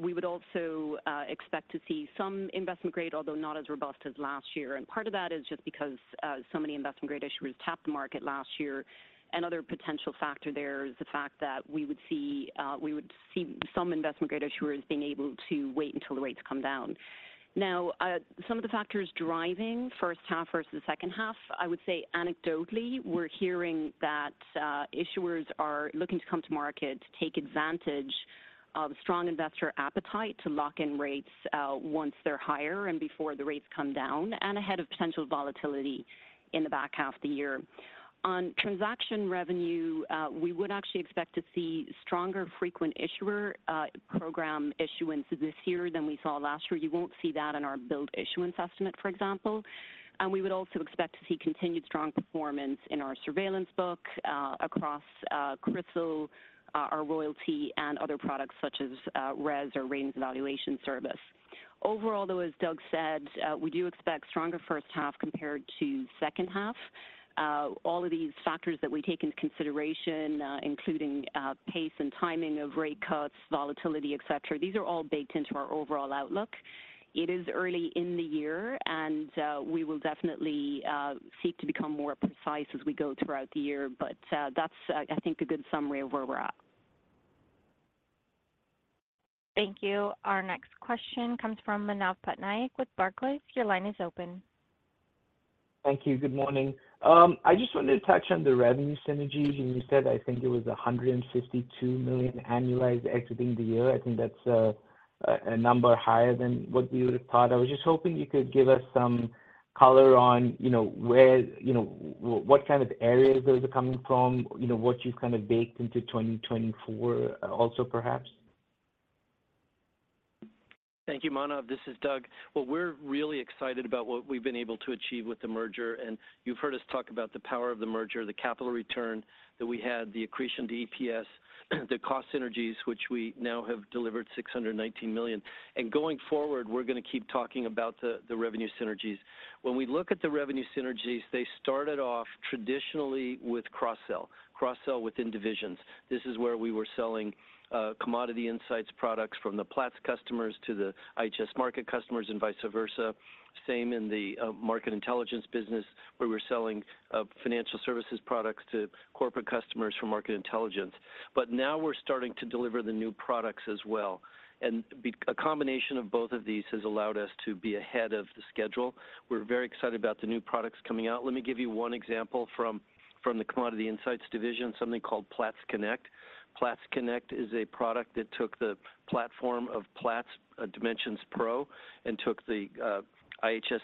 We would also expect to see some investment grade, although not as robust as last year. Part of that is just because so many investment grade issuers tapped the market last year. Another potential factor there is the fact that we would see, we would see some investment grade issuers being able to wait until the rates come down. Now, some of the factors driving first half versus the second half, I would say anecdotally, we're hearing that issuers are looking to come to market to take advantage of strong investor appetite, to lock in rates once they're higher and before the rates come down, and ahead of potential volatility in the back half of the year. On transaction revenue, we would actually expect to see stronger frequent issuer program issuance this year than we saw last year. You won't see that in our Build issuance estimate, for example. And we would also expect to see continued strong performance in our surveillance book, across CRISIL, our royalty and other products such as RES or Ratings Evaluation Service. Overall, though, as Doug said, we do expect stronger first half compared to second half. All of these factors that we take into consideration, including pace and timing of rate cuts, volatility, et cetera, these are all baked into our overall outlook. It is early in the year, and we will definitely seek to become more precise as we go throughout the year. But that's, I think, a good summary of where we're at. Thank you. Our next question comes from Manav Patnaik with Barclays. Your line is open. Thank you. Good morning. I just wanted to touch on the revenue synergies. You said, I think it was $152 million annualized exiting the year. I think that's a number higher than what we would have thought. I was just hoping you could give us some color on, you know, where you know what kind of areas those are coming from, you know, what you've kind of baked into 2024, also, perhaps. Thank you, Manav. This is Doug. Well, we're really excited about what we've been able to achieve with the merger, and you've heard us talk about the power of the merger, the capital return that we had, the accretion to EPS, the cost synergies, which we now have delivered $619 million. Going forward, we're going to keep talking about the revenue synergies. When we look at the revenue synergies, they started off traditionally with cross-sell. Cross-sell within divisions. This is where we were selling commodity insights products from the Platts customers to the IHS Markit customers and vice versa. Same in the market intelligence business, where we're selling financial services products to corporate customers for market intelligence. But now we're starting to deliver the new products as well, and a combination of both of these has allowed us to be ahead of the schedule. We're very excited about the new products coming out. Let me give you one example from the Commodity Insights division, something called Platts Connect. Platts Connect is a product that took the platform of Platts Dimensions Pro, and took the IHS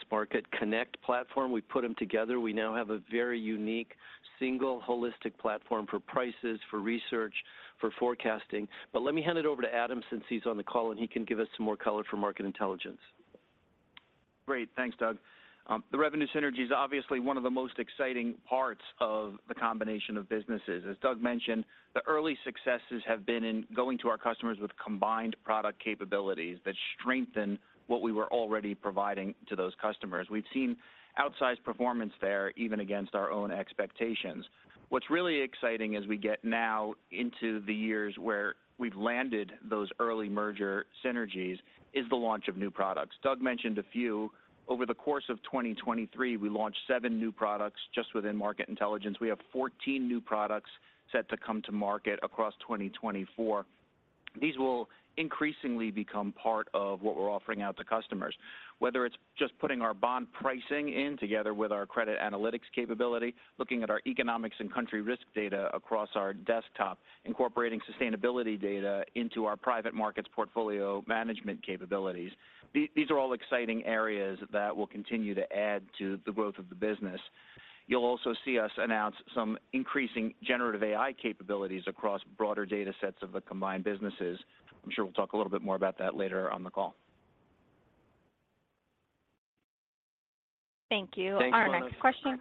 Connect platform. We put them together. We now have a very unique, single, holistic platform for prices, for research, for forecasting. But let me hand it over to Adam, since he's on the call, and he can give us some more color for market intelligence.... Great. Thanks, Doug. The revenue synergy is obviously one of the most exciting parts of the combination of businesses. As Doug mentioned, the early successes have been in going to our customers with combined product capabilities that strengthen what we were already providing to those customers. We've seen outsized performance there, even against our own expectations. What's really exciting as we get now into the years where we've landed those early merger synergies, is the launch of new products. Doug mentioned a few. Over the course of 2023, we launched seven new products just within Market Intelligence. We have 14 new products set to come to market across 2024. These will increasingly become part of what we're offering out to customers, whether it's just putting our bond pricing in together with our credit analytics capability, looking at our economics and country risk data across our desktop, incorporating sustainability data into our private markets portfolio management capabilities. These, these are all exciting areas that will continue to add to the growth of the business. You'll also see us announce some increasing generative AI capabilities across broader data sets of the combined businesses. I'm sure we'll talk a little bit more about that later on the call. Thank you. Thanks, Adam. Our next question.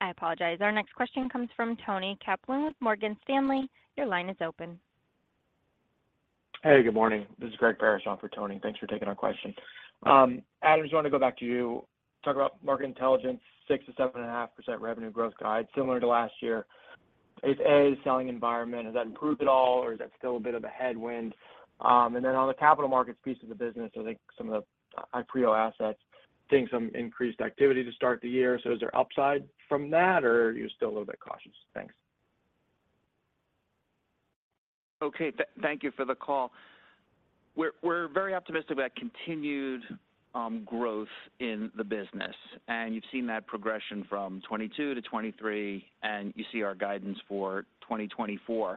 I apologize. Our next question comes from Tony Kaplan with Morgan Stanley. Your line is open. Hey, good morning. This is Greg Parrish for Tony. Thanks for taking our question. Adam, just want to go back to you, talk about market intelligence, 6%-7.5% revenue growth guide, similar to last year. Is the selling environment, has that improved at all, or is that still a bit of a headwind? And then on the capital markets piece of the business, I think some of the Ipreo assets, seeing some increased activity to start the year. So is there upside from that, or are you still a little bit cautious? Thanks. Okay. Thank you for the call. We're, we're very optimistic about continued growth in the business, and you've seen that progression from 2022 to 2023, and you see our guidance for 2024.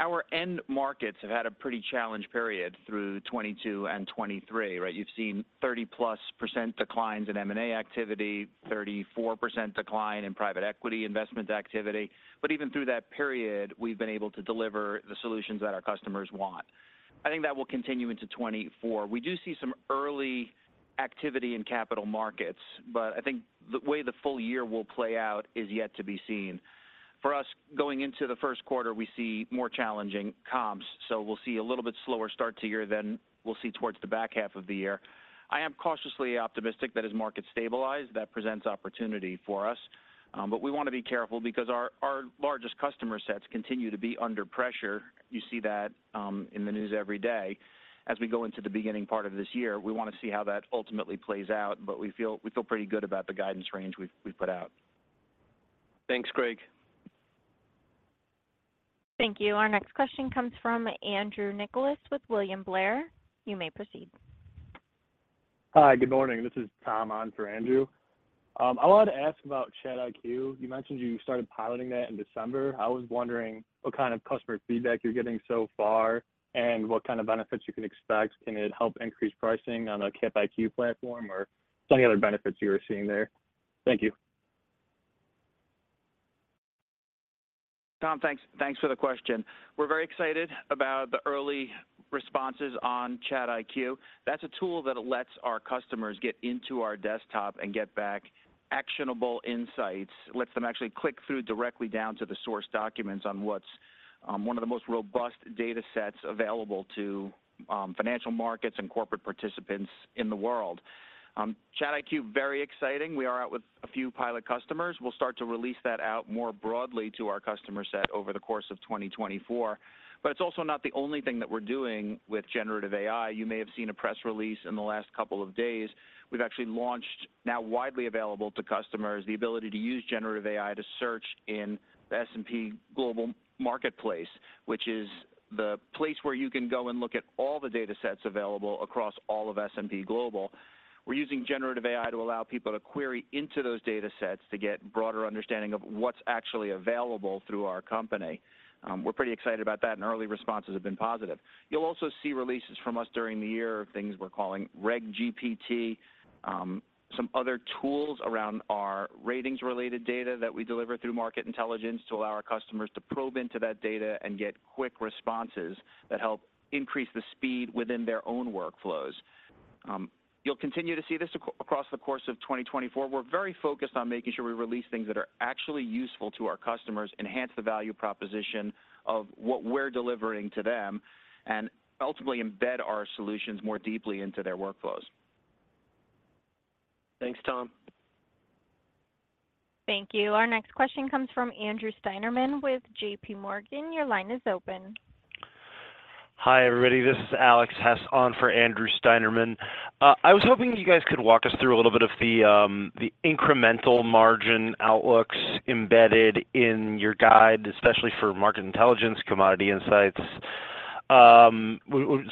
Our end markets have had a pretty challenged period through 2022 and 2023, right? You've seen 30+% declines in M&A activity, 34% decline in private equity investment activity. But even through that period, we've been able to deliver the solutions that our customers want. I think that will continue into 2024. We do see some early activity in capital markets, but I think the way the full year will play out is yet to be seen. For us, going into the first quarter, we see more challenging comps, so we'll see a little bit slower start to year than we'll see towards the back half of the year. I am cautiously optimistic that as markets stabilize, that presents opportunity for us, but we want to be careful because our, our largest customer sets continue to be under pressure. You see that, in the news every day. As we go into the beginning part of this year, we want to see how that ultimately plays out, but we feel, we feel pretty good about the guidance range we've, we've put out. Thanks, Greg. Thank you. Our next question comes from Andrew Nicholas with William Blair. You may proceed. Hi, good morning. This is Tom on for Andrew. I wanted to ask about ChatIQ. You mentioned you started piloting that in December. I was wondering what kind of customer feedback you're getting so far, and what kind of benefits you can expect. Can it help increase pricing on a Cap IQ platform or some of the other benefits you were seeing there? Thank you. Tom, thanks, thanks for the question. We're very excited about the early responses on ChatIQ. That's a tool that lets our customers get into our desktop and get back actionable insights, lets them actually click through directly down to the source documents on what's one of the most robust data sets available to financial markets and corporate participants in the world. ChatIQ, very exciting. We are out with a few pilot customers. We'll start to release that out more broadly to our customer set over the course of 2024. But it's also not the only thing that we're doing with generative AI. You may have seen a press release in the last couple of days. We've actually launched, now widely available to customers, the ability to use generative AI to search in the S&P Global Marketplace, which is the place where you can go and look at all the data sets available across all of S&P Global. We're using generative AI to allow people to query into those data sets to get broader understanding of what's actually available through our company. We're pretty excited about that, and early responses have been positive. You'll also see releases from us during the year of things we're calling RegGPT, some other tools around our ratings-related data that we deliver through market intelligence to allow our customers to probe into that data and get quick responses that help increase the speed within their own workflows. You'll continue to see this across the course of 2024. We're very focused on making sure we release things that are actually useful to our customers, enhance the value proposition of what we're delivering to them, and ultimately embed our solutions more deeply into their workflows. Thanks, Tom. Thank you. Our next question comes from Andrew Steinerman with JPMorgan. Your line is open. Hi, everybody. This is Alex Hess on for Andrew Steinerman. I was hoping you guys could walk us through a little bit of the incremental margin outlooks embedded in your guide, especially for Market Intelligence, Commodity Insights, or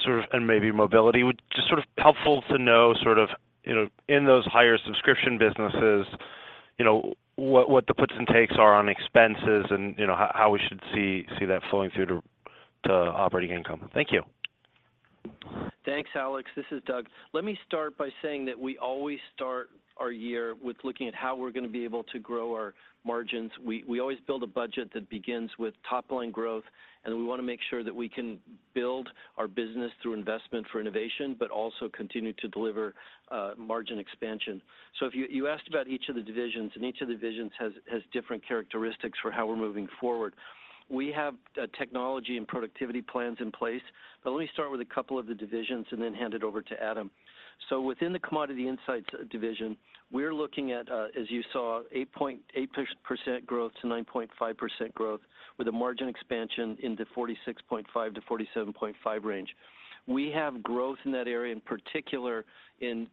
sort of, and maybe Mobility. Just sort of helpful to know sort of, you know, in those higher subscription businesses, you know, what, what the puts and takes are on expenses and, you know, how, how we should see, see that flowing through to, to operating income. Thank you. Thanks, Alex. This is Doug. Let me start by saying that we always start our year with looking at how we're going to be able to grow our margins. We always build a budget that begins with top line growth, and we want to make sure that we can build our business through investment for innovation, but also continue to deliver margin expansion. So if you asked about each of the divisions, and each of the divisions has different characteristics for how we're moving forward. We have technology and productivity plans in place, but let me start with a couple of the divisions and then hand it over to Adam. So within the Commodity Insights division, we're looking at, as you saw, 8%-9.5% growth with a margin expansion into 46.5-47.5 range. We have growth in that area, in particular in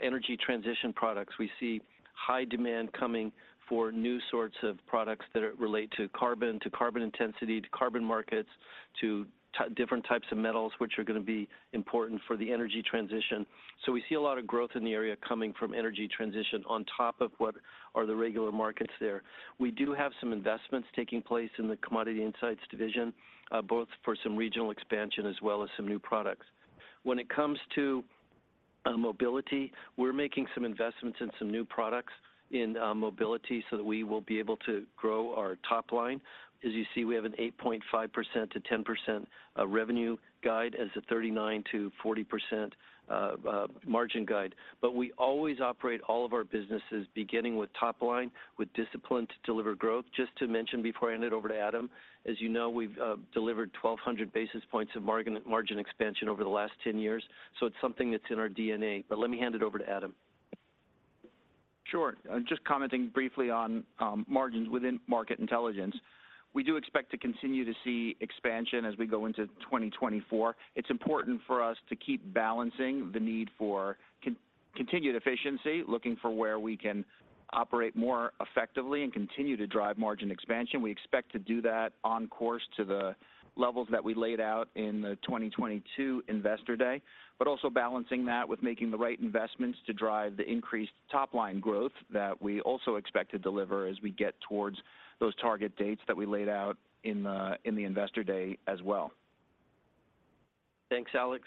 energy transition products. We see high demand coming for new sorts of products that are related to carbon, to carbon intensity, to carbon markets, to different types of metals, which are going to be important for the energy transition. So we see a lot of growth in the area coming from energy transition on top of what are the regular markets there. We do have some investments taking place in the Commodity Insights division, both for some regional expansion as well as some new products. When it comes to, mobility, we're making some investments in some new products in, mobility, so that we will be able to grow our top line. As you see, we have an 8.5%-10% revenue guide as a 39%-40% margin guide. But we always operate all of our businesses, beginning with top line, with discipline to deliver growth. Just to mention before I hand it over to Adam, as you know, we've delivered 1,200 basis points of margin, margin expansion over the last 10 years, so it's something that's in our DNA. But let me hand it over to Adam. Sure. Just commenting briefly on margins within Market Intelligence. We do expect to continue to see expansion as we go into 2024. It's important for us to keep balancing the need for continued efficiency, looking for where we can operate more effectively and continue to drive margin expansion. We expect to do that on course to the levels that we laid out in the 2022 Investor Day, but also balancing that with making the right investments to drive the increased top line growth that we also expect to deliver as we get towards those target dates that we laid out in the Investor Day as well. Thanks, Alex.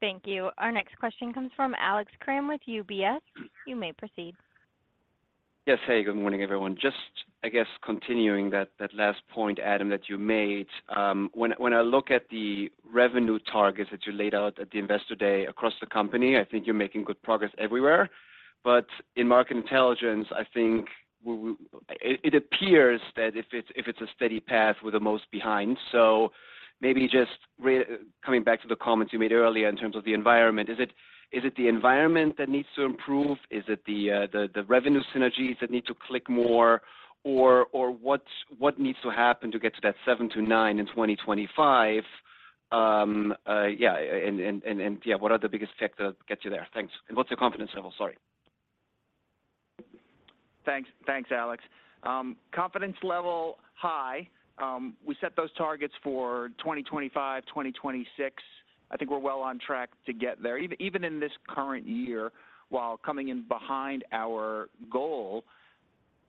Thank you. Our next question comes from Alex Kramm with UBS. You may proceed. Yes. Hey, good morning, everyone. Just, I guess, continuing that last point, Adam, that you made. When I look at the revenue targets that you laid out at the Investor Day across the company, I think you're making good progress everywhere. But in Market Intelligence, I think it appears that if it's a steady path with the most behind. So maybe just coming back to the comments you made earlier in terms of the environment, is it the environment that needs to improve? Is it the revenue synergies that need to click more? Or what needs to happen to get to that 7-9 in 2025? Yeah, and what are the biggest tech to get you there? Thanks. And what's your confidence level? Sorry. Thanks. Thanks, Alex. Confidence level, high. We set those targets for 2025, 2026. I think we're well on track to get there. Even, even in this current year, while coming in behind our goal,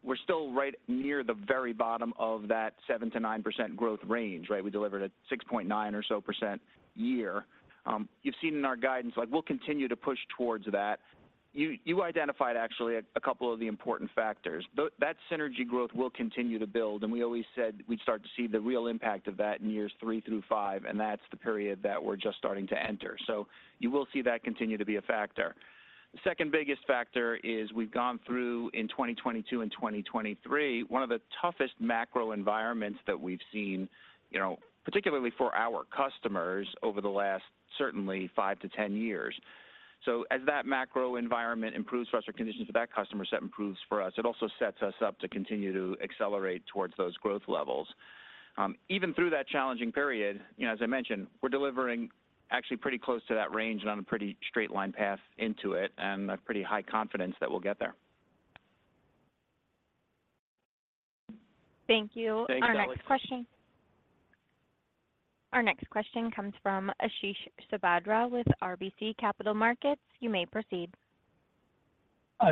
we're still right near the very bottom of that 7%-9% growth range, right? We delivered a 6.9% or so percent year. You've seen in our guidance, like we'll continue to push towards that. You, you identified actually a, a couple of the important factors. That synergy growth will continue to build, and we always said we'd start to see the real impact of that in years three through five, and that's the period that we're just starting to enter. So you will see that continue to be a factor. The second biggest factor is we've gone through, in 2022 and 2023, one of the toughest macro environments that we've seen, you know, particularly for our customers over the last certainly 5-10 years. So as that macro environment improves for us, or conditions for that customer set improves for us, it also sets us up to continue to accelerate towards those growth levels. Even through that challenging period, you know, as I mentioned, we're delivering actually pretty close to that range and on a pretty straight line path into it, and a pretty high confidence that we'll get there. Thank you. Thanks, Alex. Our next question comes from Ashish Sabadra with RBC Capital Markets. You may proceed.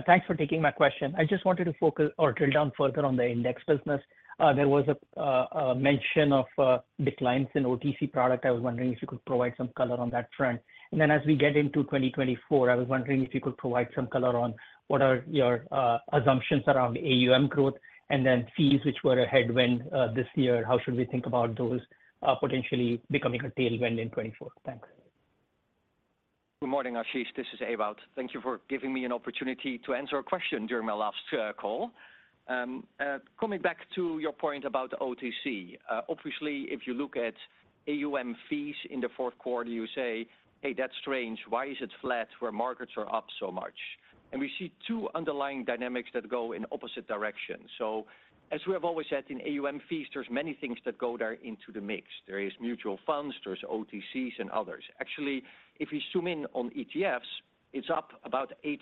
Thanks for taking my question. I just wanted to focus or drill down further on the index business. There was a mention of declines in OTC product. I was wondering if you could provide some color on that front. And then as we get into 2024, I was wondering if you could provide some color on what are your assumptions around AUM growth, and then fees, which were a headwind this year, how should we think about those potentially becoming a tailwind in 2024? Thanks. Good morning, Ashish. This is Ewout. Thank you for giving me an opportunity to answer a question during my last call. Coming back to your point about OTC, obviously, if you look at AUM fees in the fourth quarter, you say: Hey, that's strange. Why is it flat where markets are up so much? And we see two underlying dynamics that go in opposite directions. So as we have always said, in AUM fees, there's many things that go there into the mix. There is mutual funds, there's OTCs and others. Actually, if we zoom in on ETFs, it's up about 8%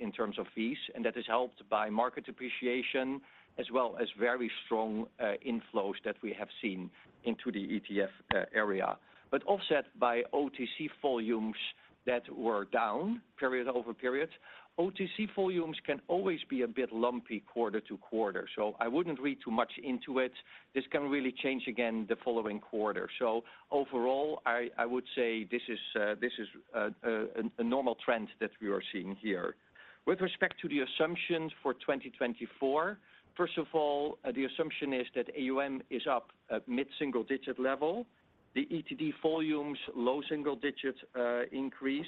in terms of fees, and that is helped by market appreciation, as well as very strong inflows that we have seen into the ETF area, but offset by OTC volumes that were down period over periods. OTC volumes can always be a bit lumpy quarter to quarter, so I wouldn't read too much into it. This can really change again the following quarter. So overall, I would say this is a normal trend that we are seeing here. With respect to the assumptions for 2024, first of all, the assumption is that AUM is up at mid-single digit level, the ETD volumes, low single digits increase,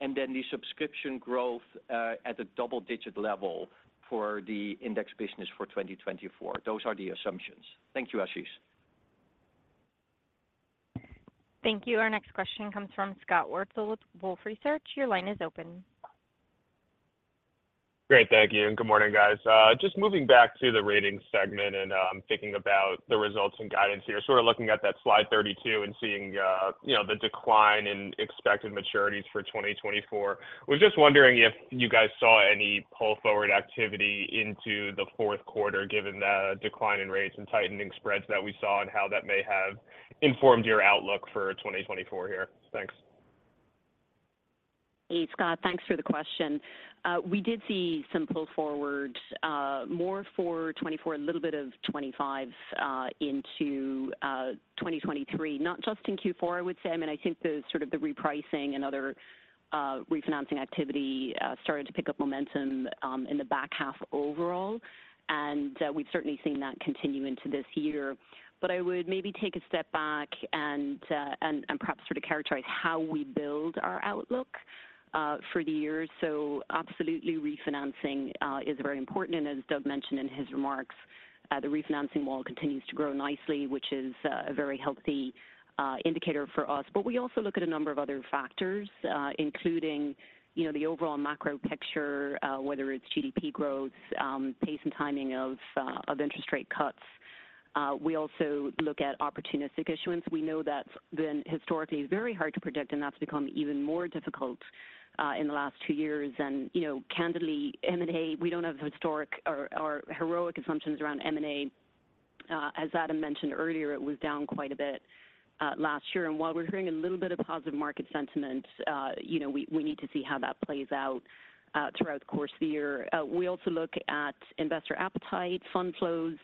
and then the subscription growth at a double-digit level for the index business for 2024. Those are the assumptions. Thank you, Ashish. Thank you. Our next question comes from Scott Wurtzel with Wolfe Research. Your line is open. Great, thank you, and good morning, guys. Just moving back to the ratings segment, and thinking about the results and guidance here. Sort of looking at that slide 32 and seeing, you know, the decline in expected maturities for 2024. Was just wondering if you guys saw any pull-forward activity into the fourth quarter, given the decline in rates and tightening spreads that we saw, and how that may have informed your outlook for 2024 here? Thanks. Hey, Scott. Thanks for the question. We did see some pull forward, more for 2024, a little bit of 2025, into 2023, not just in Q4, I would say. I mean, I think the sort of repricing and other refinancing activity started to pick up momentum in the back half overall, and we've certainly seen that continue into this year. But I would maybe take a step back and perhaps sort of characterize how we build our outlook for the year. So absolutely, refinancing is very important, and as Doug mentioned in his remarks, the refinancing wall continues to grow nicely, which is a very healthy indicator for us. But we also look at a number of other factors, including, you know, the overall macro picture, whether it's GDP growth, pace and timing of interest rate cuts. We also look at opportunistic issuance. We know that then historically is very hard to predict, and that's become even more difficult in the last two years. And, you know, candidly, M&A, we don't have historic or heroic assumptions around M&A. As Adam mentioned earlier, it was down quite a bit last year, and while we're hearing a little bit of positive market sentiment, you know, we need to see how that plays out throughout the course of the year. We also look at investor appetite, fund flows,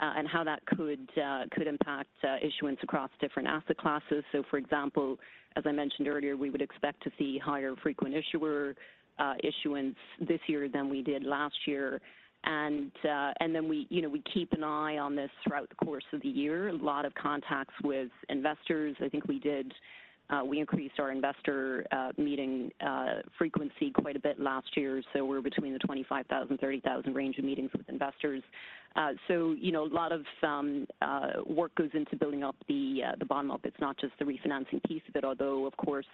and how that could impact issuance across different asset classes. So, for example, as I mentioned earlier, we would expect to see higher frequent issuer issuance this year than we did last year. And then we, you know, we keep an eye on this throughout the course of the year. A lot of contacts with investors. I think we increased our investor meeting frequency quite a bit last year, so we're between the 25,000, 30,000 range of meetings with investors. So you know, a lot of work goes into building up the the bottom up. It's not just the refinancing piece of it, although, of course,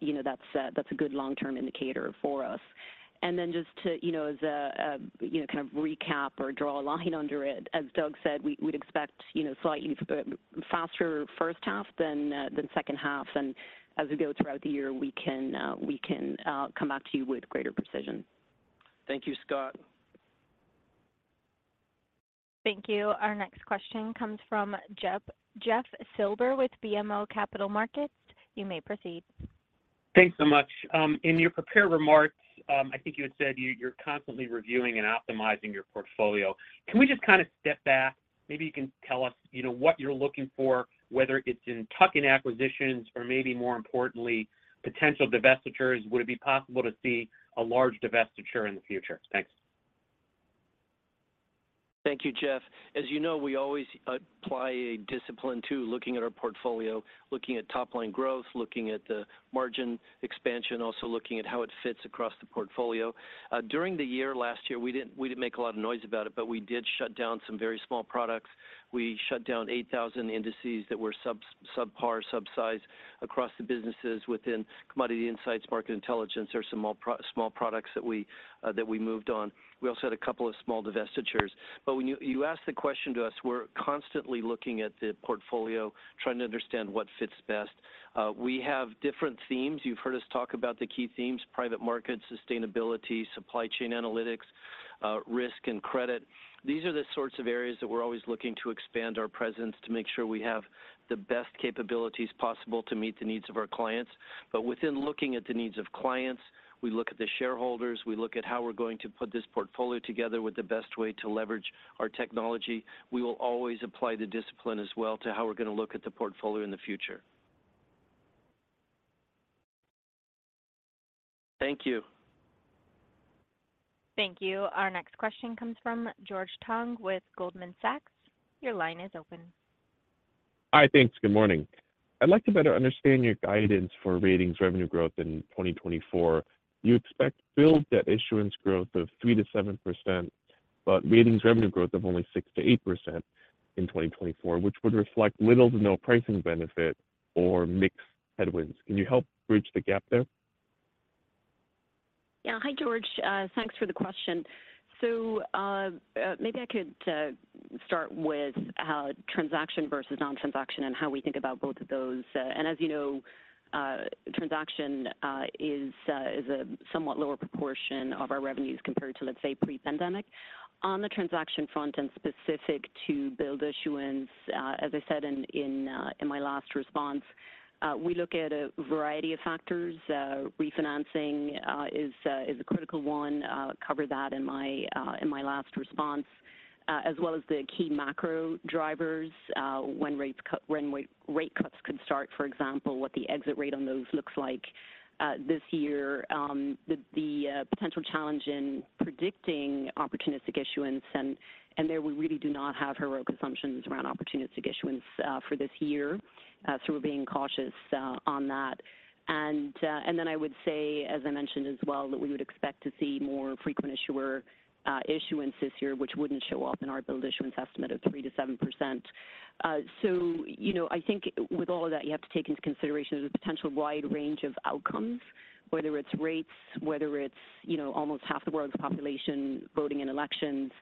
you know, that's a, that's a good long-term indicator for us. And then just to, you know, as a you know kind of recap or draw a line under it, as Doug said, we'd expect, you know, slightly faster first half than second half. And as we go throughout the year, we can come back to you with greater precision. Thank you, Scott. Thank you. Our next question comes from Jeff Silber with BMO Capital Markets. You may proceed. Thanks so much. In your prepared remarks, I think you had said you're constantly reviewing and optimizing your portfolio. Can we just kind of step back? Maybe you can tell us, you know, what you're looking for, whether it's in tuck-in acquisitions or maybe more importantly, potential divestitures. Would it be possible to see a large divestiture in the future? Thanks. Thank you, Jeff. As you know, we always apply a discipline to looking at our portfolio, looking at top-line growth, looking at the margin expansion, also looking at how it fits across the portfolio. During the year, last year, we didn't make a lot of noise about it, but we did shut down some very small products. We shut down 8,000 indices that were subpar, sub-size across the businesses within Commodity Insights, Market Intelligence, or some small products that we moved on. We also had a couple of small divestitures. But when you ask the question to us, we're constantly looking at the portfolio, trying to understand what fits best. We have different themes. You've heard us talk about the key themes: private markets, sustainability, supply chain analytics, risk and credit. These are the sorts of areas that we're always looking to expand our presence, to make sure we have the best capabilities possible to meet the needs of our clients. But within looking at the needs of clients, we look at the shareholders, we look at how we're going to put this portfolio together with the best way to leverage our technology. We will always apply the discipline as well to how we're going to look at the portfolio in the future. Thank you. Thank you. Our next question comes from George Tong with Goldman Sachs. Your line is open. Hi, thanks. Good morning. I'd like to better understand your guidance for ratings revenue growth in 2024. You expect build debt issuance growth of 3%-7%, but ratings revenue growth of only 6%-8% in 2024, which would reflect little to no pricing benefit or mix headwinds. Can you help bridge the gap there? Yeah. Hi, George. Thanks for the question. So, maybe I could start with transaction versus non-transaction and how we think about both of those. And as you know, transaction is a somewhat lower proportion of our revenues compared to, let's say, pre-pandemic. On the transaction front and specific to build issuance, as I said in my last response, we look at a variety of factors. Refinancing is a critical one. Covered that in my last response as well as the key macro drivers, when rate cuts could start, for example, what the exit rate on those looks like this year. The potential challenge in predicting opportunistic issuance, and there we really do not have heroic assumptions around opportunistic issuance, for this year, so we're being cautious, on that. And, and then I would say, as I mentioned as well, that we would expect to see more frequent issuer, issuance this year, which wouldn't show up in our Build issuance estimate of 3%-7%. So, you know, I think with all of that, you have to take into consideration the potential wide range of outcomes, whether it's rates, whether it's, you know, almost half the world's population voting in elections,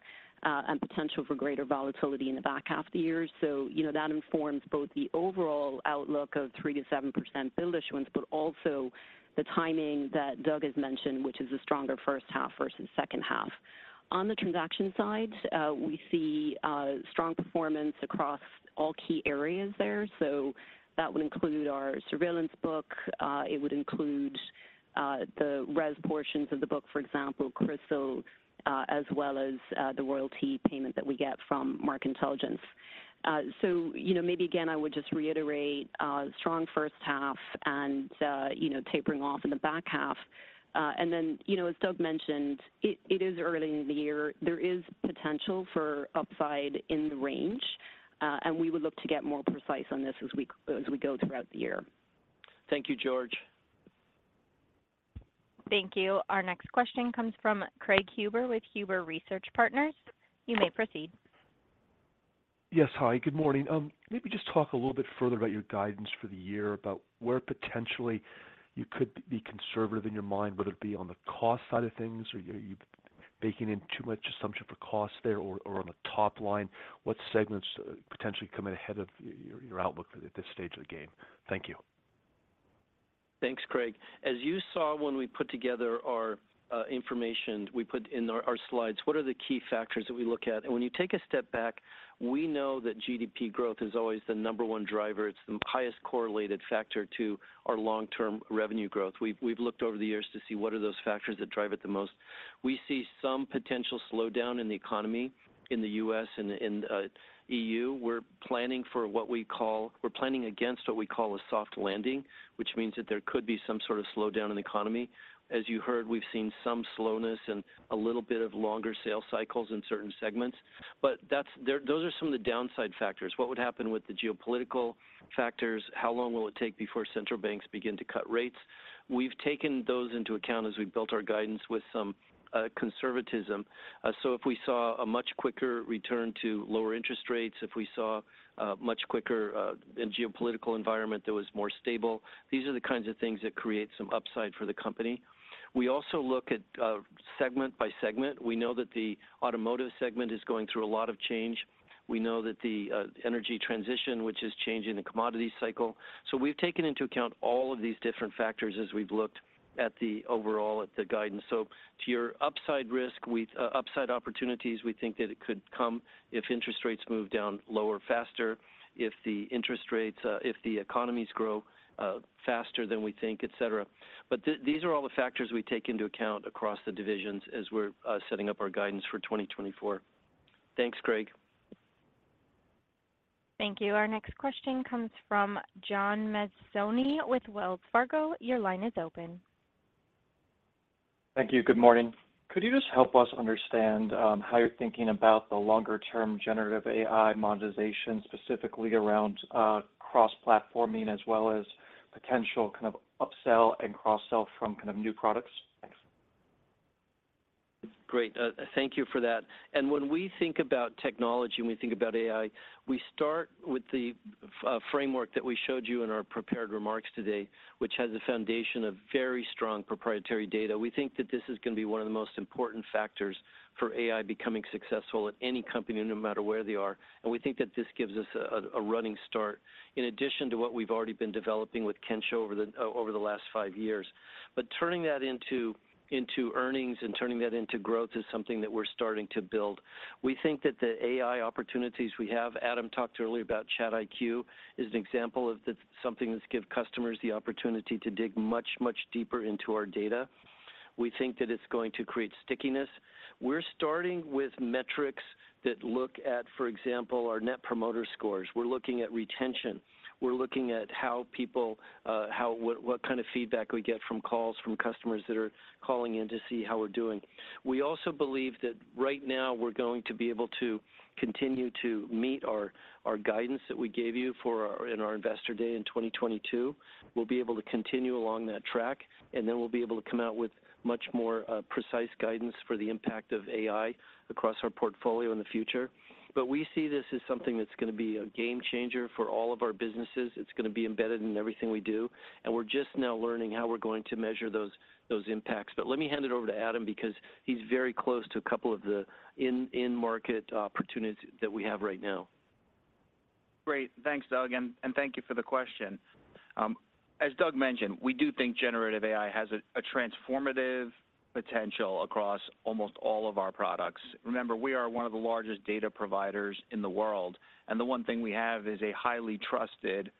and potential for greater volatility in the back half of the year. So, you know, that informs both the overall outlook of 3%-7% Build issuance, but also the timing that Doug has mentioned, which is a stronger first half versus second half. On the transaction side, we see strong performance across all key areas there. So that would include our surveillance book, it would include the RES portions of the book, for example, CRISIL, as well as the royalty payment that we get from Market Intelligence. So, you know, maybe, again, I would just reiterate, strong first half and, you know, tapering off in the back half. And then, you know, as Doug mentioned, it is early in the year. There is potential for upside in the range, and we would look to get more precise on this as we go throughout the year. Thank you, George. Thank you. Our next question comes from Craig Huber with Huber Research Partners. You may proceed. Yes, hi, good morning. Maybe just talk a little bit further about your guidance for the year, about where potentially you could be conservative in your mind. Would it be on the cost side of things, or are you baking in too much assumption for cost there or on the top line? What segments potentially coming ahead of your outlook at this stage of the game? Thank you. Thanks, Craig. As you saw when we put together our information, we put in our slides, what are the key factors that we look at? And when you take a step back, we know that GDP growth is always the number one driver. It's the highest correlated factor to our long-term revenue growth. We've looked over the years to see what are those factors that drive it the most. We see some potential slowdown in the economy in the U.S. and E.U. We're planning for what we call—we're planning against what we call a soft landing, which means that there could be some sort of slowdown in the economy. As you heard, we've seen some slowness and a little bit of longer sales cycles in certain segments. But that's—there, those are some of the downside factors. What would happen with the geopolitical factors? How long will it take before central banks begin to cut rates? We've taken those into account as we've built our guidance with some conservatism. So if we saw a much quicker return to lower interest rates, if we saw a much quicker and geopolitical environment that was more stable, these are the kinds of things that create some upside for the company. We also look at segment by segment. We know that the automotive segment is going through a lot of change. We know that the energy transition, which is changing the commodity cycle. So we've taken into account all of these different factors as we've looked at the overall, at the guidance. So to your upside risk, upside opportunities, we think that it could come if interest rates move down lower, faster, if the interest rates, if the economies grow, faster than we think, et cetera. But these are all the factors we take into account across the divisions as we're setting up our guidance for 2024. Thanks, Craig. Thank you. Our next question comes from John Mazzoni with Wells Fargo. Your line is open. Thank you. Good morning. Could you just help us understand how you're thinking about the longer-term generative AI monetization, specifically around cross-platforming, as well as potential kind of upsell and cross-sell from kind of new products? Thanks. Great. Thank you for that. And when we think about technology, when we think about AI, we start with the framework that we showed you in our prepared remarks today, which has a foundation of very strong proprietary data. We think that this is going to be one of the most important factors for AI becoming successful at any company, no matter where they are. And we think that this gives us a running start, in addition to what we've already been developing with Kensho over the last five years. But turning that into earnings and turning that into growth is something that we're starting to build. We think that the AI opportunities we have, Adam talked earlier about Chat IQ, is an example of that, something that's give customers the opportunity to dig much, much deeper into our data. We think that it's going to create stickiness. We're starting with metrics that look at, for example, our net promoter scores. We're looking at retention. We're looking at how people, what kind of feedback we get from calls from customers that are calling in to see how we're doing. We also believe that right now, we're going to be able to continue to meet our guidance that we gave you in our Investor Day in 2022. We'll be able to continue along that track, and then we'll be able to come out with much more precise guidance for the impact of AI across our portfolio in the future. But we see this as something that's going to be a game changer for all of our businesses. It's going to be embedded in everything we do, and we're just now learning how we're going to measure those impacts. But let me hand it over to Adam, because he's very close to a couple of the in-market opportunities that we have right now. Great. Thanks, Doug, and thank you for the question. As Doug mentioned, we do think generative AI has a transformative potential across almost all of our products. Remember, we are one of the largest data providers in the world, and the one thing we have is a highly trusted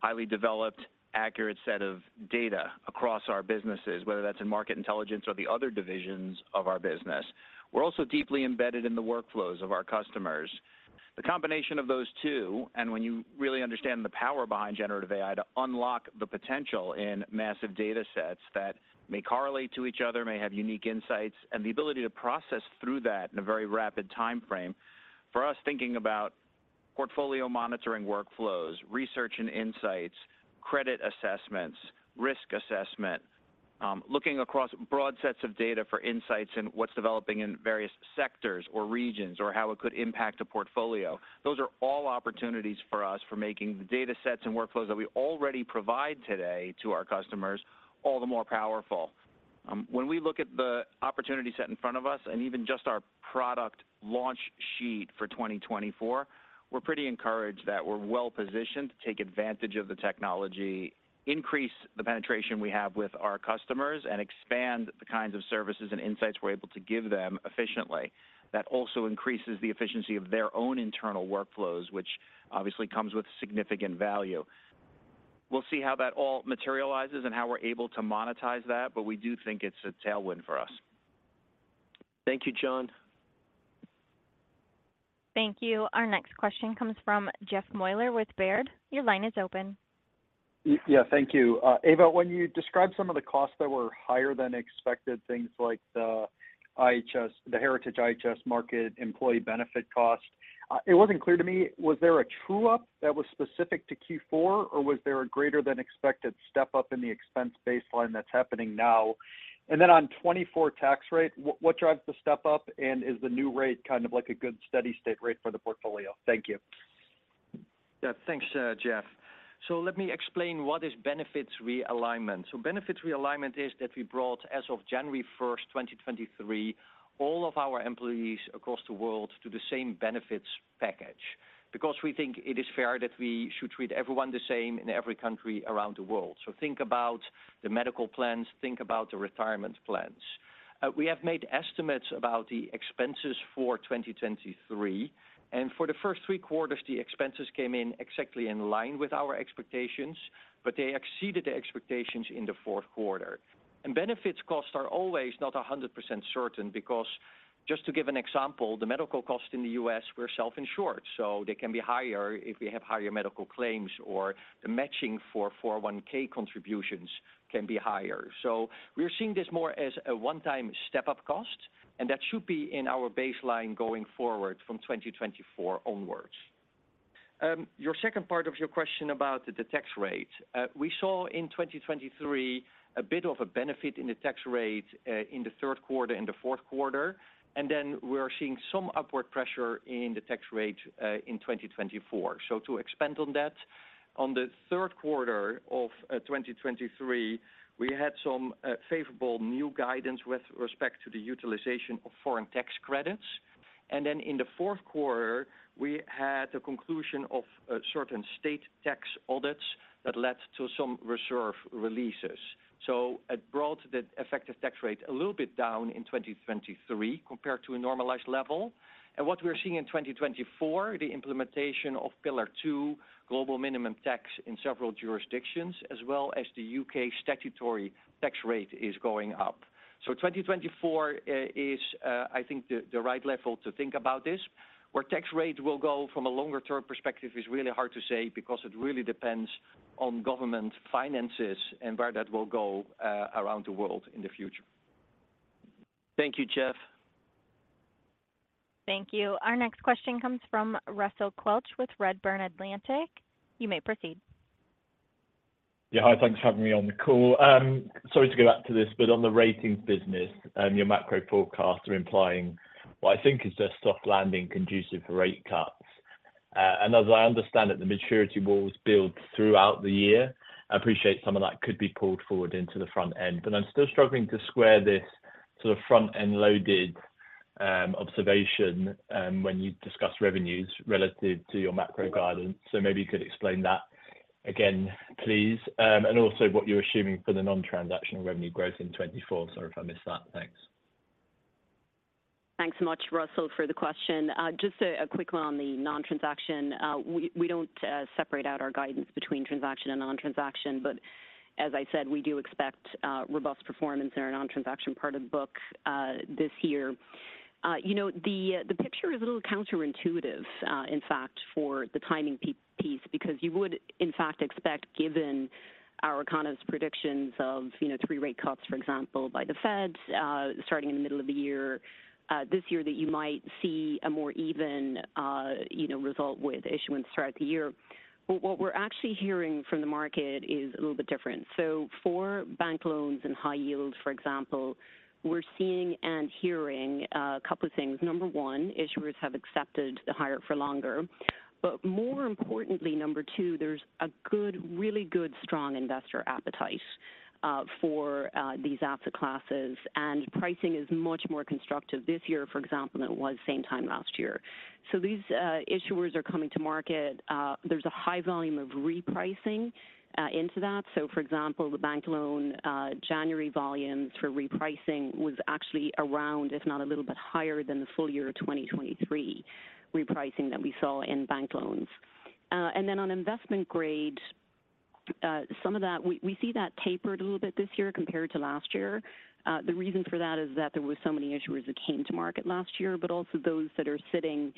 highly developed, accurate set of data across our businesses, whether that's in market intelligence or the other divisions of our business. We're also deeply embedded in the workflows of our customers. The combination of those two, and when you really understand the power behind generative AI to unlock the potential in massive data sets that may correlate to each other, may have unique insights, and the ability to process through that in a very rapid time frame. For us, thinking about portfolio monitoring workflows, research and insights, credit assessments, risk assessment, looking across broad sets of data for insights and what's developing in various sectors or regions, or how it could impact a portfolio. Those are all opportunities for us for making the data sets and workflows that we already provide today to our customers, all the more powerful. When we look at the opportunity set in front of us and even just our product launch sheet for 2024, we're pretty encouraged that we're well-positioned to take advantage of the technology, increase the penetration we have with our customers, and expand the kinds of services and insights we're able to give them efficiently. That also increases the efficiency of their own internal workflows, which obviously comes with significant value. We'll see how that all materializes and how we're able to monetize that, but we do think it's a tailwind for us. Thank you, John. Thank you. Our next question comes from Jeff Meuler with Baird. Your line is open. Yeah, thank you. Ewout, when you described some of the costs that were higher than expected, things like the IHS, the Heritage IHS Markit, employee benefit costs, it wasn't clear to me, was there a true-up that was specific to Q4, or was there a greater than expected step up in the expense baseline that's happening now? And then on 2024 tax rate, what, what drives the step up, and is the new rate kind of like a good steady state rate for the portfolio? Thank you. Yeah, thanks, Jeff. So let me explain what is benefits realignment. So benefits realignment is that we brought, as of January 1, 2023, all of our employees across the world to the same benefits package, because we think it is fair that we should treat everyone the same in every country around the world. So think about the medical plans, think about the retirement plans. We have made estimates about the expenses for 2023, and for the first three quarters, the expenses came in exactly in line with our expectations, but they exceeded the expectations in the fourth quarter. And benefits costs are always not 100% certain, because just to give an example, the medical costs in the U.S. were self-insured, so they can be higher if we have higher medical claims, or the matching for 401 contributions can be higher. So we are seeing this more as a one-time step-up cost, and that should be in our baseline going forward from 2024 onwards. Your second part of your question about the tax rate. We saw in 2023, a bit of a benefit in the tax rate, in the third quarter and the fourth quarter, and then we are seeing some upward pressure in the tax rate, in 2024. So to expand on that, on the third quarter of 2023, we had some favorable new guidance with respect to the utilization of foreign tax credits. And then in the fourth quarter, we had the conclusion of certain state tax audits that led to some reserve releases. So it brought the effective tax rate a little bit down in 2023 compared to a normalized level. What we're seeing in 2024, the implementation of Pillar Two global minimum tax in several jurisdictions, as well as the U.K. statutory tax rate is going up. So 2024 is, I think, the right level to think about this. Where tax rates will go from a longer-term perspective is really hard to say because it really depends on government finances and where that will go around the world in the future. Thank you, Jeff. Thank you. Our next question comes from Russell Quelch with Redburn Atlantic. You may proceed. Yeah, hi, thanks for having me on the call. Sorry to go back to this, but on the ratings business, your macro forecasts are implying what I think is a soft landing conducive for rate cuts. And as I understand it, the maturity walls build throughout the year. I appreciate some of that could be pulled forward into the front end, but I'm still struggling to square this sort of front-end loaded, observation, when you discuss revenues relative to your macro guidance. So maybe you could explain that again, please. And also what you're assuming for the non-transaction revenue growth in 2024. Sorry if I missed that. Thanks. Thanks so much, Russell, for the question. Just a quick one on the non-transaction. We don't separate out our guidance between transaction and non-transaction, but as I said, we do expect robust performance in our non-transaction part of the book this year. You know, the picture is a little counterintuitive, in fact, for the timing piece, because you would, in fact, expect, given our economist predictions of, you know, three rate cuts, for example, by the Feds, starting in the middle of the year, this year, that you might see a more even, you know, result with issuance throughout the year. But what we're actually hearing from the market is a little bit different. So for bank loans and high yields, for example, we're seeing and hearing a couple of things. Number 1, issuers have accepted the higher for longer, but more importantly, Number 2, there's a good, really good, strong investor appetite for these asset classes, and pricing is much more constructive this year, for example, than it was same time last year. So these issuers are coming to market. There's a high volume of repricing into that. So for example, the bank loan January volume for repricing was actually around, if not a little bit higher than the full year of 2023 repricing that we saw in bank loans. And then on investment grade, some of that, we, we see that tapered a little bit this year compared to last year. The reason for that is that there were so many issuers that came to market last year, but also those that are sitting,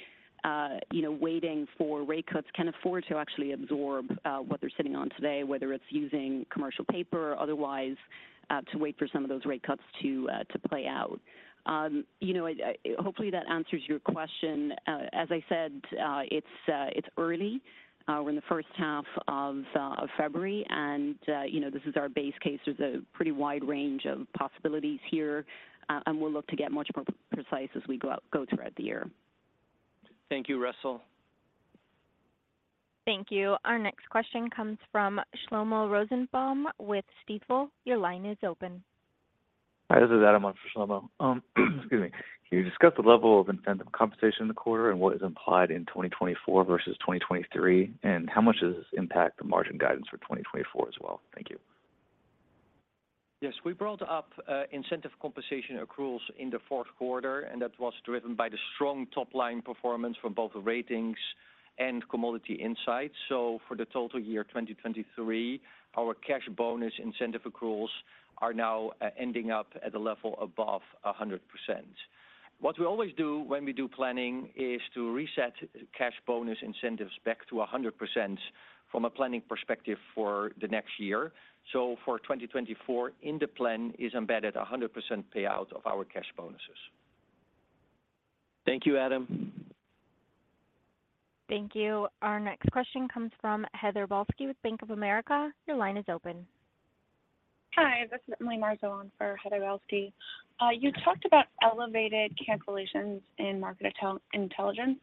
you know, waiting for rate cuts, can afford to actually absorb what they're sitting on today, whether it's using commercial paper or otherwise, to wait for some of those rate cuts to play out. You know, I hopefully that answers your question. As I said, it's early. We're in the first half of February, and, you know, this is our base case. There's a pretty wide range of possibilities here, and we'll look to get much more precise as we go throughout the year. Thank you, Russell. Thank you. Our next question comes from Shlomo Rosenbaum with Stifel. Your line is open. Hi, this is Adam on for Shlomo. Excuse me. Can you discuss the level of incentive compensation in the quarter and what is implied in 2024 versus 2023, and how much does this impact the margin guidance for 2024 as well? Thank you. Yes, we brought up, incentive compensation accruals in the fourth quarter, and that was driven by the strong top-line performance from both the ratings and commodity insights. So for the total year, 2023, our cash bonus incentive accruals are now, ending up at a level above 100%. What we always do when we do planning is to reset cash bonus incentives back to 100% from a planning perspective for the next year. So for 2024, in the plan is embedded a 100% payout of our cash bonuses. Thank you, Adam. Thank you. Our next question comes from Heather Balsky with Bank of America. Your line is open. Hi, this is Emily Marzo on for Heather Balsky. You talked about elevated cancellations in market intelligence.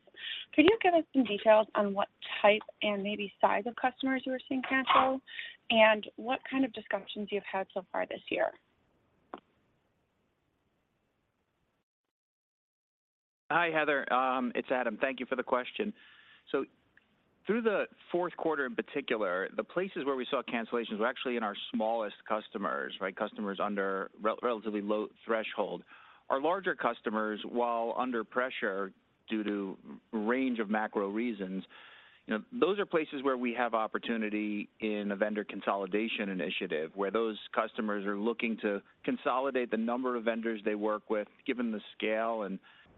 Could you give us some details on what type and maybe size of customers you are seeing cancel, and what kind of discussions you've had so far this year? Hi, Heather, it's Adam. Thank you for the question. So through the fourth quarter, in particular, the places where we saw cancellations were actually in our smallest customers, right? Customers under relatively low threshold. Our larger customers, while under pressure due to range of macro reasons, you know, those are places where we have opportunity in a vendor consolidation initiative, where those customers are looking to consolidate the number of vendors they work with. Given the scale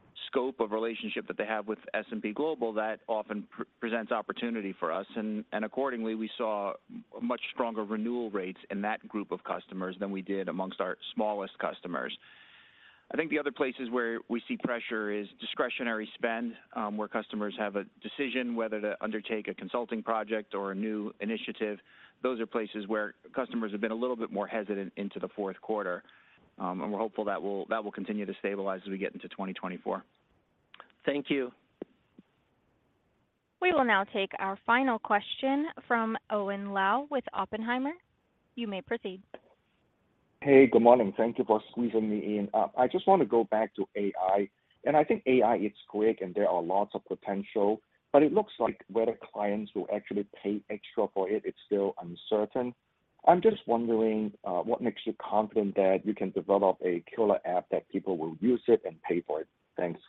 and scope of relationship that they have with S&P Global, that often presents opportunity for us, and, and accordingly, we saw much stronger renewal rates in that group of customers than we did amongst our smallest customers. I think the other places where we see pressure is discretionary spend, where customers have a decision whether to undertake a consulting project or a new initiative. Those are places where customers have been a little bit more hesitant into the fourth quarter, and we're hopeful that will continue to stabilize as we get into 2024. Thank you. We will now take our final question from Owen Lau with Oppenheimer. You may proceed. Hey, good morning. Thank you for squeezing me in. I just want to go back to AI, and I think AI is quick and there are lots of potential, but it looks like whether clients will actually pay extra for it, it's still uncertain. I'm just wondering, what makes you confident that you can develop a killer app, that people will use it and pay for it? Thanks.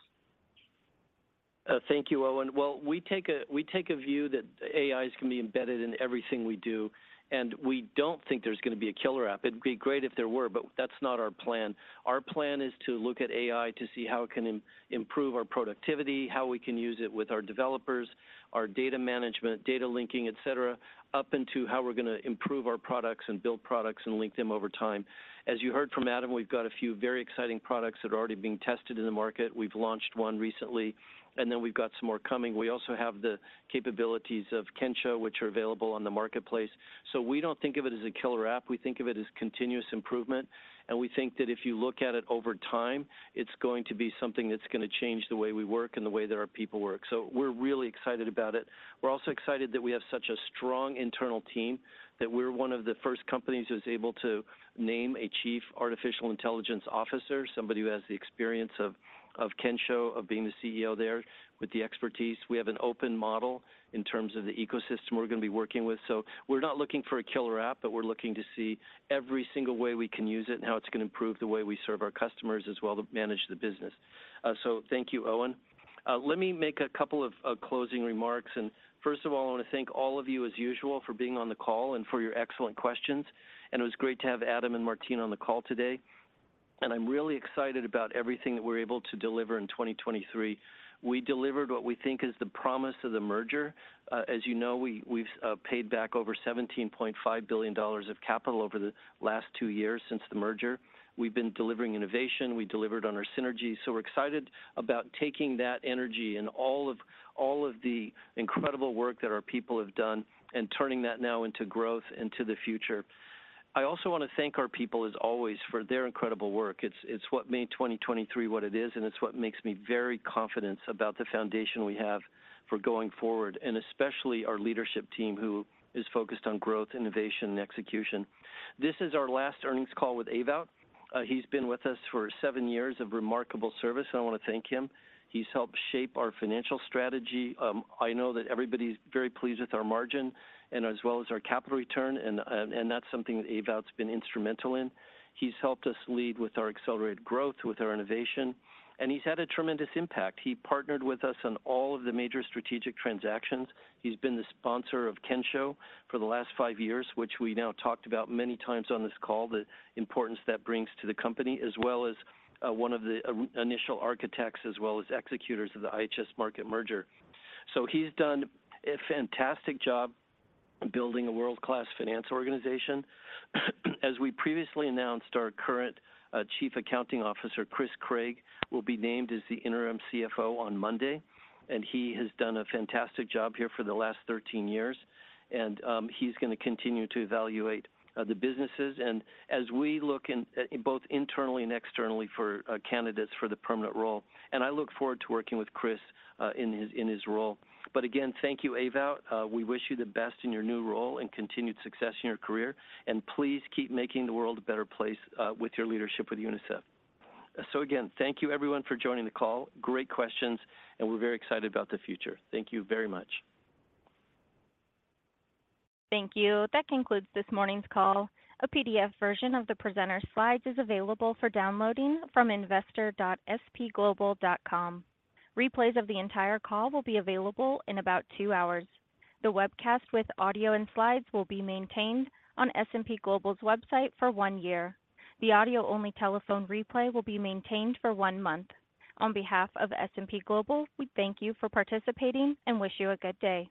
Thank you, Owen. Well, we take a view that AIs can be embedded in everything we do, and we don't think there's going to be a killer app. It'd be great if there were, but that's not our plan. Our plan is to look at AI to see how it can improve our productivity, how we can use it with our developers, our data management, data linking, et cetera, up into how we're going to improve our products and build products and link them over time. As you heard from Adam, we've got a few very exciting products that are already being tested in the market. We've launched one recently, and then we've got some more coming. We also have the capabilities of Kensho, which are available on the marketplace. So we don't think of it as a killer app. We think of it as continuous improvement, and we think that if you look at it over time, it's going to be something that's going to change the way we work and the way that our people work. So we're really excited about it. We're also excited that we have such a strong internal team, that we're one of the first companies that's able to name a Chief Artificial Intelligence Officer, somebody who has the experience of Kensho, of being the CEO there with the expertise. We have an open model in terms of the ecosystem we're going to be working with. So we're not looking for a killer app, but we're looking to see every single way we can use it and how it's going to improve the way we serve our customers, as well to manage the business. So thank you, Owen. Let me make a couple of closing remarks. First of all, I want to thank all of you, as usual, for being on the call and for your excellent questions. It was great to have Adam and Martina on the call today. I'm really excited about everything that we're able to deliver in 2023. We delivered what we think is the promise of the merger. As you know, we've paid back over $17.5 billion of capital over the last two years since the merger. We've been delivering innovation. We delivered on our synergy. We're excited about taking that energy and all of the incredible work that our people have done and turning that now into growth into the future. I also want to thank our people, as always, for their incredible work. It's what made 2023 what it is, and it's what makes me very confident about the foundation we have for going forward, and especially our leadership team, who is focused on growth, innovation, and execution. This is our last earnings call with Ewout. He's been with us for seven years of remarkable service, and I want to thank him. He's helped shape our financial strategy. I know that everybody's very pleased with our margin and as well as our capital return, and that's something that Ewout's been instrumental in. He's helped us lead with our accelerated growth, with our innovation, and he's had a tremendous impact. He partnered with us on all of the major strategic transactions. He's been the sponsor of Kensho for the last five years, which we now talked about many times on this call, the importance that brings to the company, as well as one of the initial architects, as well as executors of the IHS Markit merger. So he's done a fantastic job building a world-class finance organization. As we previously announced, our current Chief Accounting Officer, Chris Craig, will be named as the interim CFO on Monday, and he has done a fantastic job here for the last 13 years. And, he's going to continue to evaluate the businesses, and as we look in, both internally and externally, for candidates for the permanent role. And I look forward to working with Chris in his role. But again, thank you, Ewout. We wish you the best in your new role and continued success in your career, and please keep making the world a better place with your leadership with UNICEF. So again, thank you everyone for joining the call. Great questions, and we're very excited about the future. Thank you very much. Thank you. That concludes this morning's call. A PDF version of the presenter slides is available for downloading from investor.spglobal.com. Replays of the entire call will be available in about 2 hours. The webcast with audio and slides will be maintained on S&P Global's website for 1 year. The audio-only telephone replay will be maintained for 1 month. On behalf of S&P Global, we thank you for participating and wish you a good day.